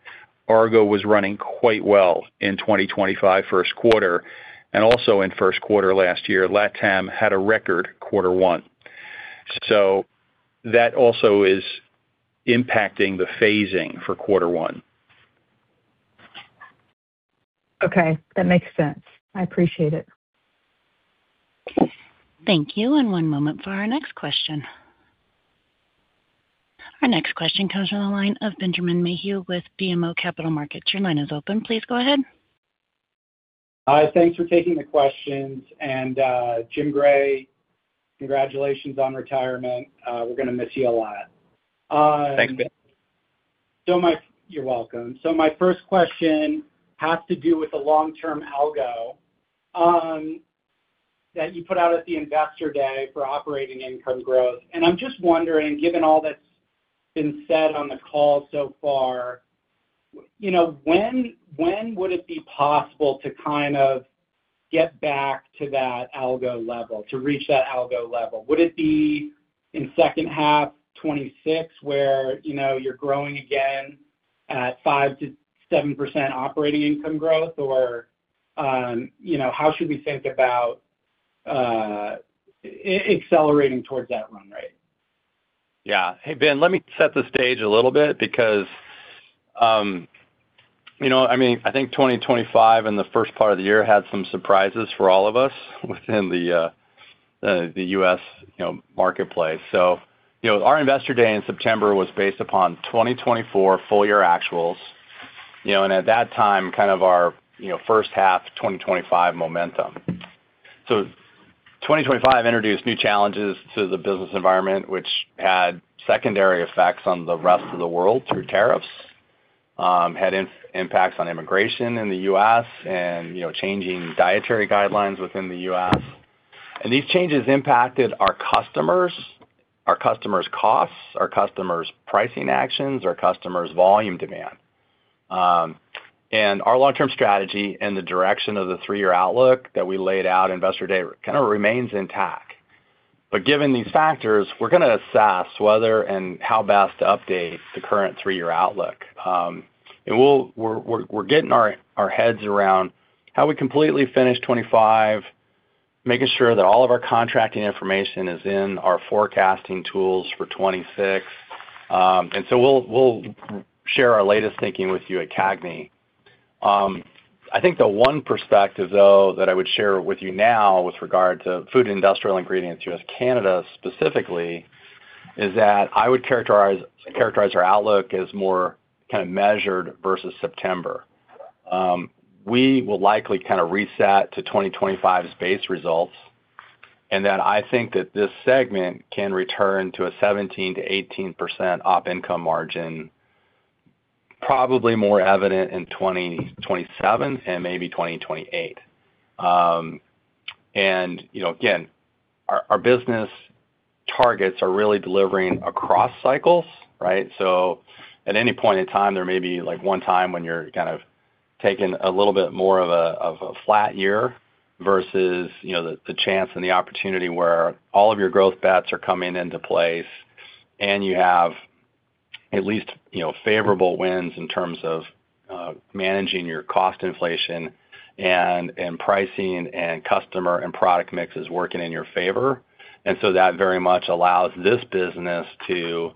Argo was running quite well in 2025 first quarter, and also in first quarter last year, LatAm had a record quarter one. So that also is impacting the phasing for quarter one. Okay, that makes sense. I appreciate it. Thank you, and one moment for our next question. Our next question comes from the line of Benjamin Mayhew with BMO Capital Markets. Your line is open. Please go ahead. Hi, thanks for taking the questions, and, James Gray, congratulations on retirement. We're gonna miss you a lot. Thanks, Ben. You're welcome. So my first question has to do with the long-term algo that you put out at the Investor Day for operating income growth. And I'm just wondering, given all that's been said on the call so far, you know, when would it be possible to kind of get back to that algo level, to reach that algo level? Would it be in second half 2026, where, you know, you're growing again at 5%-7% operating income growth? Or, you know, how should we think about accelerating towards that run rate? Yeah. Hey, Ben, let me set the stage a little bit because, you know, I mean, I think 2025 and the first part of the year had some surprises for all of us within the U.S, you know, marketplace. So, you know, our Investor Day in September was based upon 2024 full year actuals, you know, and at that time, kind of our, you know, first half 2025 momentum. So 2025 introduced new challenges to the business environment, which had secondary effects on the rest of the world through tariffs, had impacts on immigration in the U.S.. and, you know, changing dietary guidelines within the U.S.. And these changes impacted our customers, our customers' costs, our customers' pricing actions, our customers' volume demand. and our long-term strategy and the direction of the three-year outlook that we laid out at Investor Day kind of remains intact. But given these factors, we're gonna assess whether and how best to update the current three-year outlook. And we'll—we're, we're getting our, our heads around how we completely finish 2025, making sure that all of our contracting information is in our forecasting tools for 2026. And so we'll, we'll share our latest thinking with you at CAGNY. I think the one perspective, though, that I would share with you now with regard to Food and Industrial Ingredients U.S../Canada, specifically, is that I would characterize, characterize our outlook as more kind of measured versus September. We will likely kind of reset to 2025's base results, and then I think that this segment can return to a 17%-18% op income margin, probably more evident in 2027 and maybe 2028. And, you know, again, our, our business targets are really delivering across cycles, right? So at any point in time, there may be like one time when you're kind of taking a little bit more of a, of a flat year versus, you know, the, the chance and the opportunity where all of your growth bets are coming into place, and you have at least, you know, favorable winds in terms of, managing your cost inflation and, and pricing, and customer, and product mix is working in your favor. And so that very much allows this business to, you know,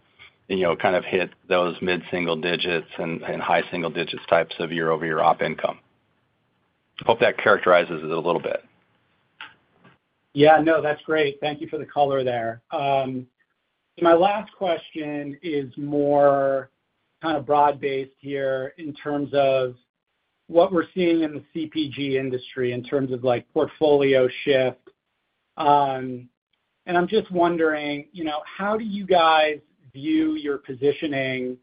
kind of hit those mid-single digits and high single digits types of year-over-year op income. Hope that characterizes it a little bit. Yeah, no, that's great. Thank you for the color there. My last question is more kind of broad-based here in terms of what we're seeing in the CPG industry in terms of, like, portfolio shift. And I'm just wondering, you know, how do you guys view your positioning,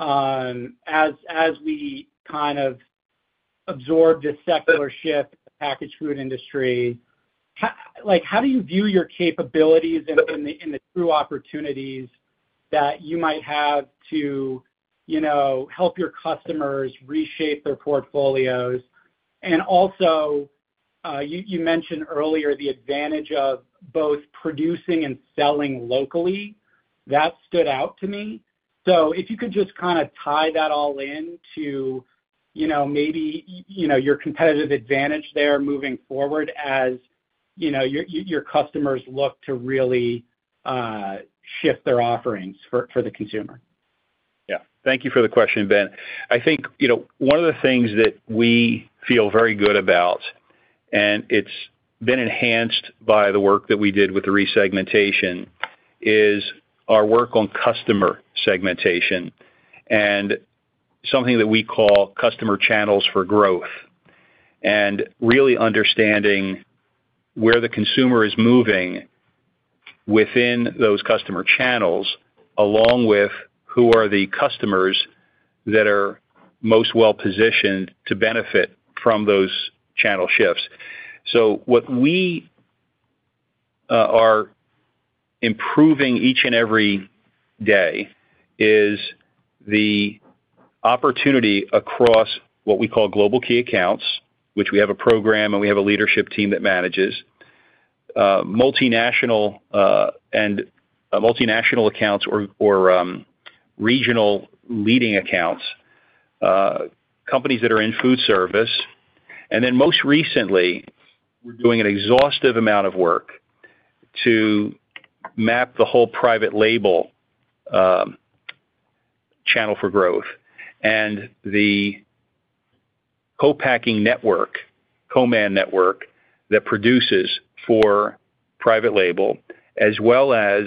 as, as we kind of absorb this secular shift, the packaged food industry? Like, how do you view your capabilities in the, in the true opportunities that you might have to, you know, help your customers reshape their portfolios? And also, you, you mentioned earlier the advantage of both producing and selling locally. That stood out to me. So if you could just kind of tie that all in to, you know, maybe, you know, your competitive advantage there moving forward as, you know, your customers look to really shift their offerings for the consumer. Yeah. Thank you for the question, Ben. I think, you know, one of the things that we feel very good about, and it's been enhanced by the work that we did with the resegmentation, is our work on customer segmentation and something that we call Customer Channels for Growth, and really understanding where the consumer is moving within those customer channels, along with who are the customers that are most well-positioned to benefit from those channel shifts. So what we are improving each and every day is the opportunity across what we call Global Key Accounts, which we have a program, and we have a leadership team that manages multinational accounts or regional leading accounts, companies that are in food service. And then, most recently, we're doing an exhaustive amount of work to map the whole private label channel for growth and the co-packing network, co-man network, that produces for private label, as well as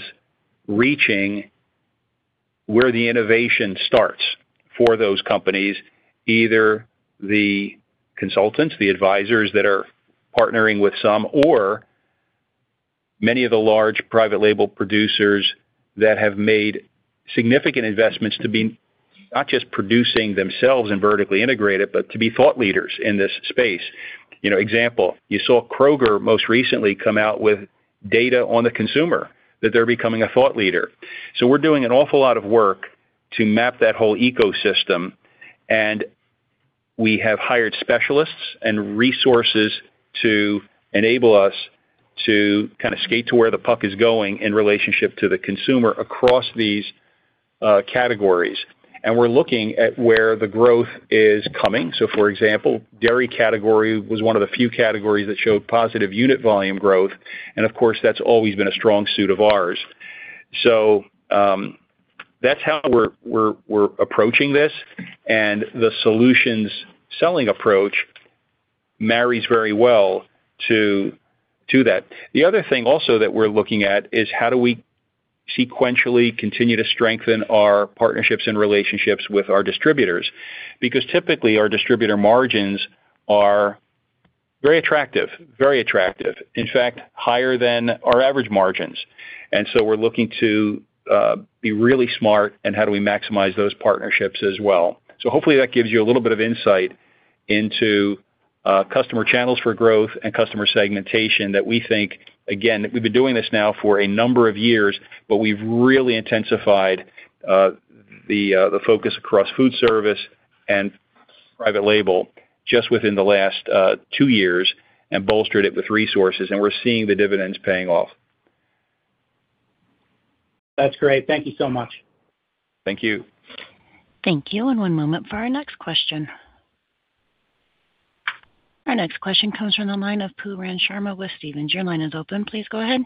reaching where the innovation starts for those companies, either the consultants, the advisors that are partnering with some, or many of the large private label producers that have made significant investments to be not just producing themselves and vertically integrated, but to be thought leaders in this space. You know, example, you saw Kroger most recently come out with data on the consumer, that they're becoming a thought leader. So we're doing an awful lot of work to map that whole ecosystem, and we have hired specialists and resources to enable us to kind of skate to where the puck is going in relationship to the consumer across these categories. We're looking at where the growth is coming. So, for example, the dairy category was one of the few categories that showed positive unit volume growth, and of course, that's always been a strong suit of ours. So, that's how we're approaching this, and the solutions selling approach marries very well to that. The other thing also that we're looking at is how do we sequentially continue to strengthen our partnerships and relationships with our distributors? Because typically, our distributor margins are very attractive, very attractive, in fact, higher than our average margins. And so we're looking to be really smart in how do we maximize those partnerships as well. So hopefully that gives you a little bit of insight into Customer Channels for Growth and customer segmentation that we think, again, we've been doing this now for a number of years, but we've really intensified the focus across food service and private label just within the last two years and bolstered it with resources, and we're seeing the dividends paying off. That's great. Thank you so much. Thank you. Thank you. One moment for our next question. Our next question comes from the line of Pooran Sharma with Stephens. Your line is open. Please go ahead.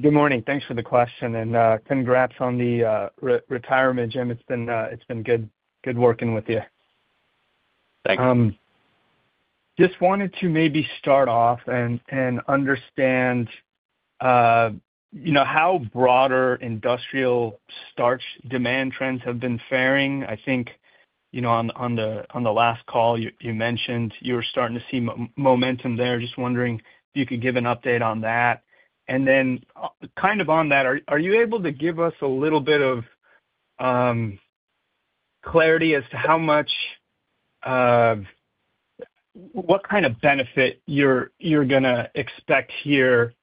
Good morning. Thanks for the question, and congrats on the re-retirement, James. It's been good working with you. Thanks. Just wanted to maybe start off and understand, you know, how broader industrial starch demand trends have been faring. I think, you know, on the last call, you mentioned you were starting to see momentum there. Just wondering if you could give an update on that. And then, kind of on that, are you able to give us a little bit of clarity as to how much, what kind of benefit you're gonna expect here,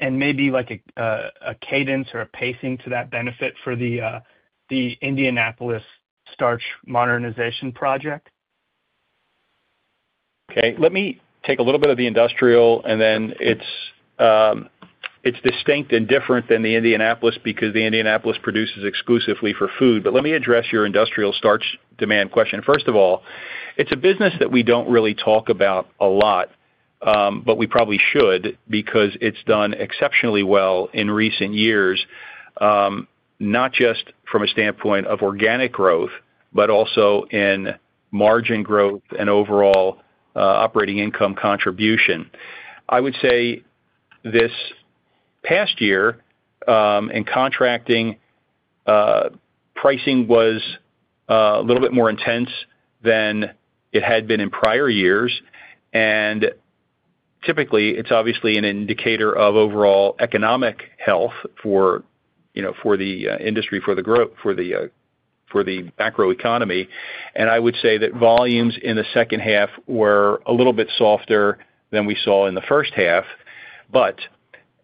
and maybe like a cadence or a pacing to that benefit for the Indianapolis Starch Modernization project? Okay, let me take a little bit of the industrial, and then it's distinct and different than the Indianapolis because the Indianapolis produces exclusively for food. But let me address your industrial starch demand question. First of all, it's a business that we don't really talk about a lot, but we probably should, because it's done exceptionally well in recent years, not just from a standpoint of organic growth, but also in margin growth and overall operating income contribution. I would say this past year, in contracting, pricing was a little bit more intense than it had been in prior years. And typically, it's obviously an indicator of overall economic health for, you know, for the industry, for the growth, for the macroeconomy. And I would say that volumes in the second half were a little bit softer than we saw in the first half. But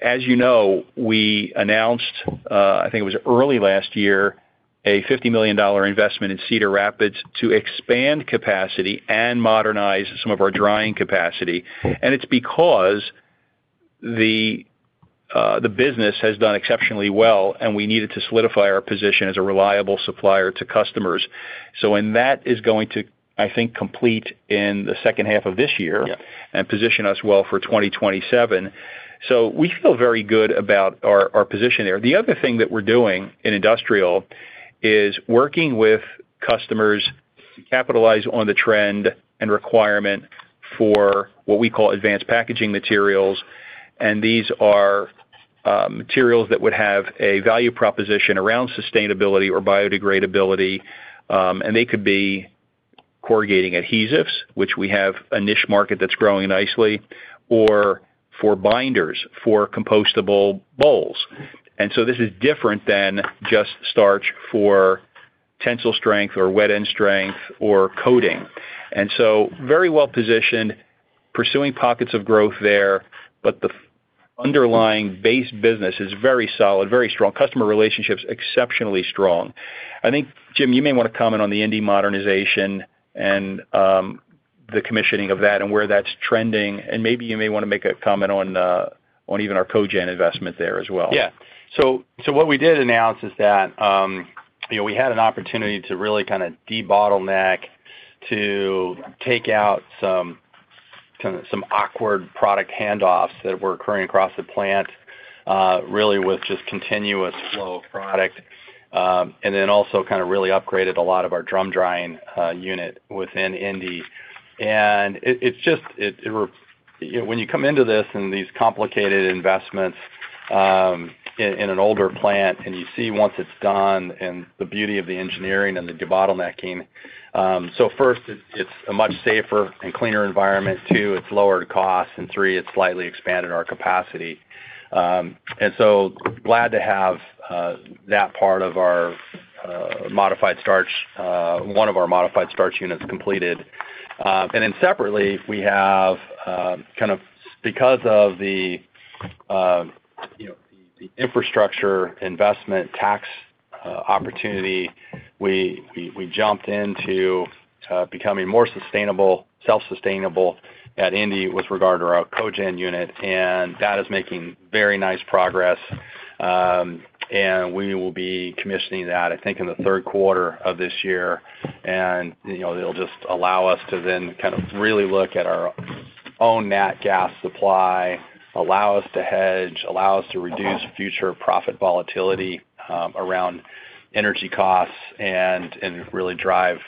as we announced, I think it was early last year, a $50 million investment in Cedar Rapids to expand capacity and modernize some of our drying capacity. And it's because the business has done exceptionally well, and we needed to solidify our position as a reliable supplier to customers. So when that is going to, I think, complete in the second half of this year and position us well for 2027. So we feel very good about our position there. The other thing that we're doing in industrial is working with customers to capitalize on the trend and requirement for what we call advanced packaging materials. These are materials that would have a value proposition around sustainability or biodegradability, and they could be corrugating adhesives, which we have a niche market that's growing nicely, or for binders, for compostable bowls. This is different than just starch for tensile strength or wet end strength or coating. Very well positioned, pursuing pockets of growth there, but the underlying base business is very solid, very strong. Customer relationships, exceptionally strong. I think, James, you may want to comment on the Indy modernization and the commissioning of that and where that's trending, and maybe you may want to make a comment on even our cogen investment there as well. Yeah. So what we did announce is that, you know, we had an opportunity to really kind of debottleneck, to take out some kind of some awkward product handoffs that were occurring across the plant, really with just continuous flow of product, and then also kind of really upgraded a lot of our drum drying unit within Indy. And it's just, you know, when you come into this and these complicated investments in an older plant, and you see once it's done and the beauty of the engineering and the debottlenecking. So first, it's a much safer and cleaner environment. Two, it's lowered costs, and three, it's slightly expanded our capacity. So glad to have that part of our modified starch, one of our modified starch units completed. And then separately, we have kind of because of the you know, the infrastructure investment tax opportunity, we jumped into becoming more sustainable, self-sustainable at Indy with regard to our cogen unit, and that is making very nice progress. And we will be commissioning that, I think, in the third quarter of this year. You know, it'll just allow us to then kind of really look at our own nat gas supply, allow us to hedge, allow us to reduce future profit volatility around energy costs, and really drive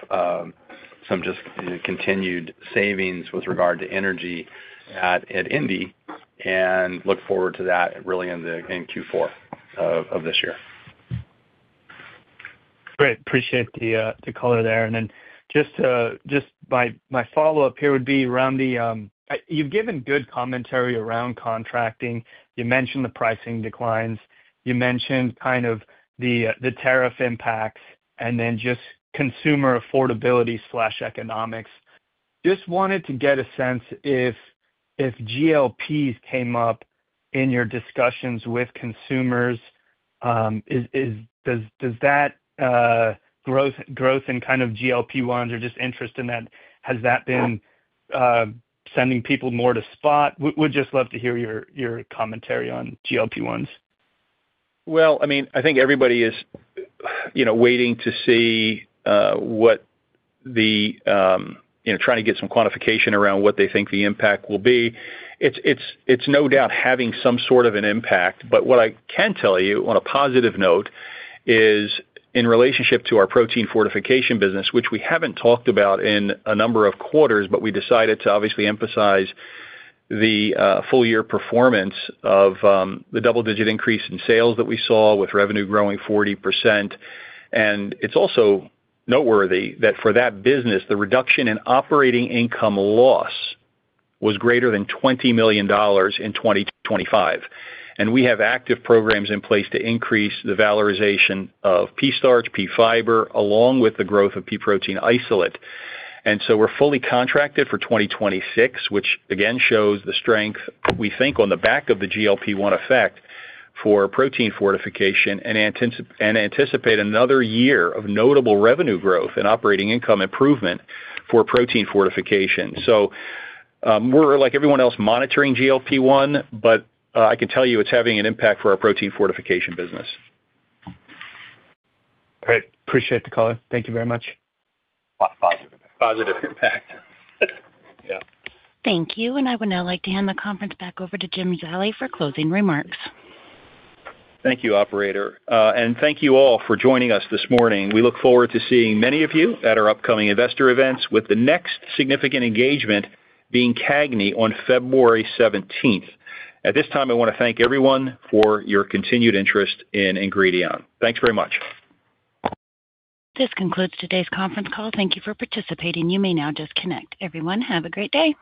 some just, you know, continued savings with regard to energy at Indy, and look forward to that really in the in Q4 of this year. Great. Appreciate the, the color there. And then just my follow-up here would be around the. You've given good commentary around contracting. You mentioned the pricing declines, you mentioned kind of the, the tariff impacts, and then just consumer affordability/economics. Just wanted to get a sense if GLPs came up in your discussions with consumers, is, does that growth in kind of GLP-1s or just interest in that, has that been sending people more to spot? We'd just love to hear your commentary on GLP-1s. Well, I mean, I think everybody is, you know, waiting to see, what the... You know, trying to get some quantification around what they think the impact will be. It's, it's, it's no doubt having some sort of an impact. But what I can tell you on a positive note is in relationship to our protein fortification business, which we haven't talked about in a number of quarters, but we decided to obviously emphasize the, full year performance of, the double-digit increase in sales that we saw with revenue growing 40%. And it's also noteworthy that for that business, the reduction in operating income loss was greater than $20 million in 2025, and we have active programs in place to increase the valorization of pea starch, pea fiber, along with the growth of pea protein isolate. So we're fully contracted for 2026, which again shows the strength, we think, on the back of the GLP-1 effect for protein fortification and anticipate another year of notable revenue growth and operating income improvement for protein fortification. So, we're like everyone else, monitoring GLP-1, but, I can tell you it's having an impact for our protein fortification business. Great. Appreciate the call. Thank you very much. Positive, positive impact. Yeah. Thank you, and I would now like to hand the conference back over to James Zallie for closing remarks. Thank you, operator. Thank you all for joining us this morning. We look forward to seeing many of you at our upcoming investor events, with the next significant engagement being CAGNY on February 17. At this time, I want to thank everyone for your continued interest in Ingredion. Thanks very much. This concludes today's conference call. Thank you for participating. You may now disconnect. Everyone, have a great day.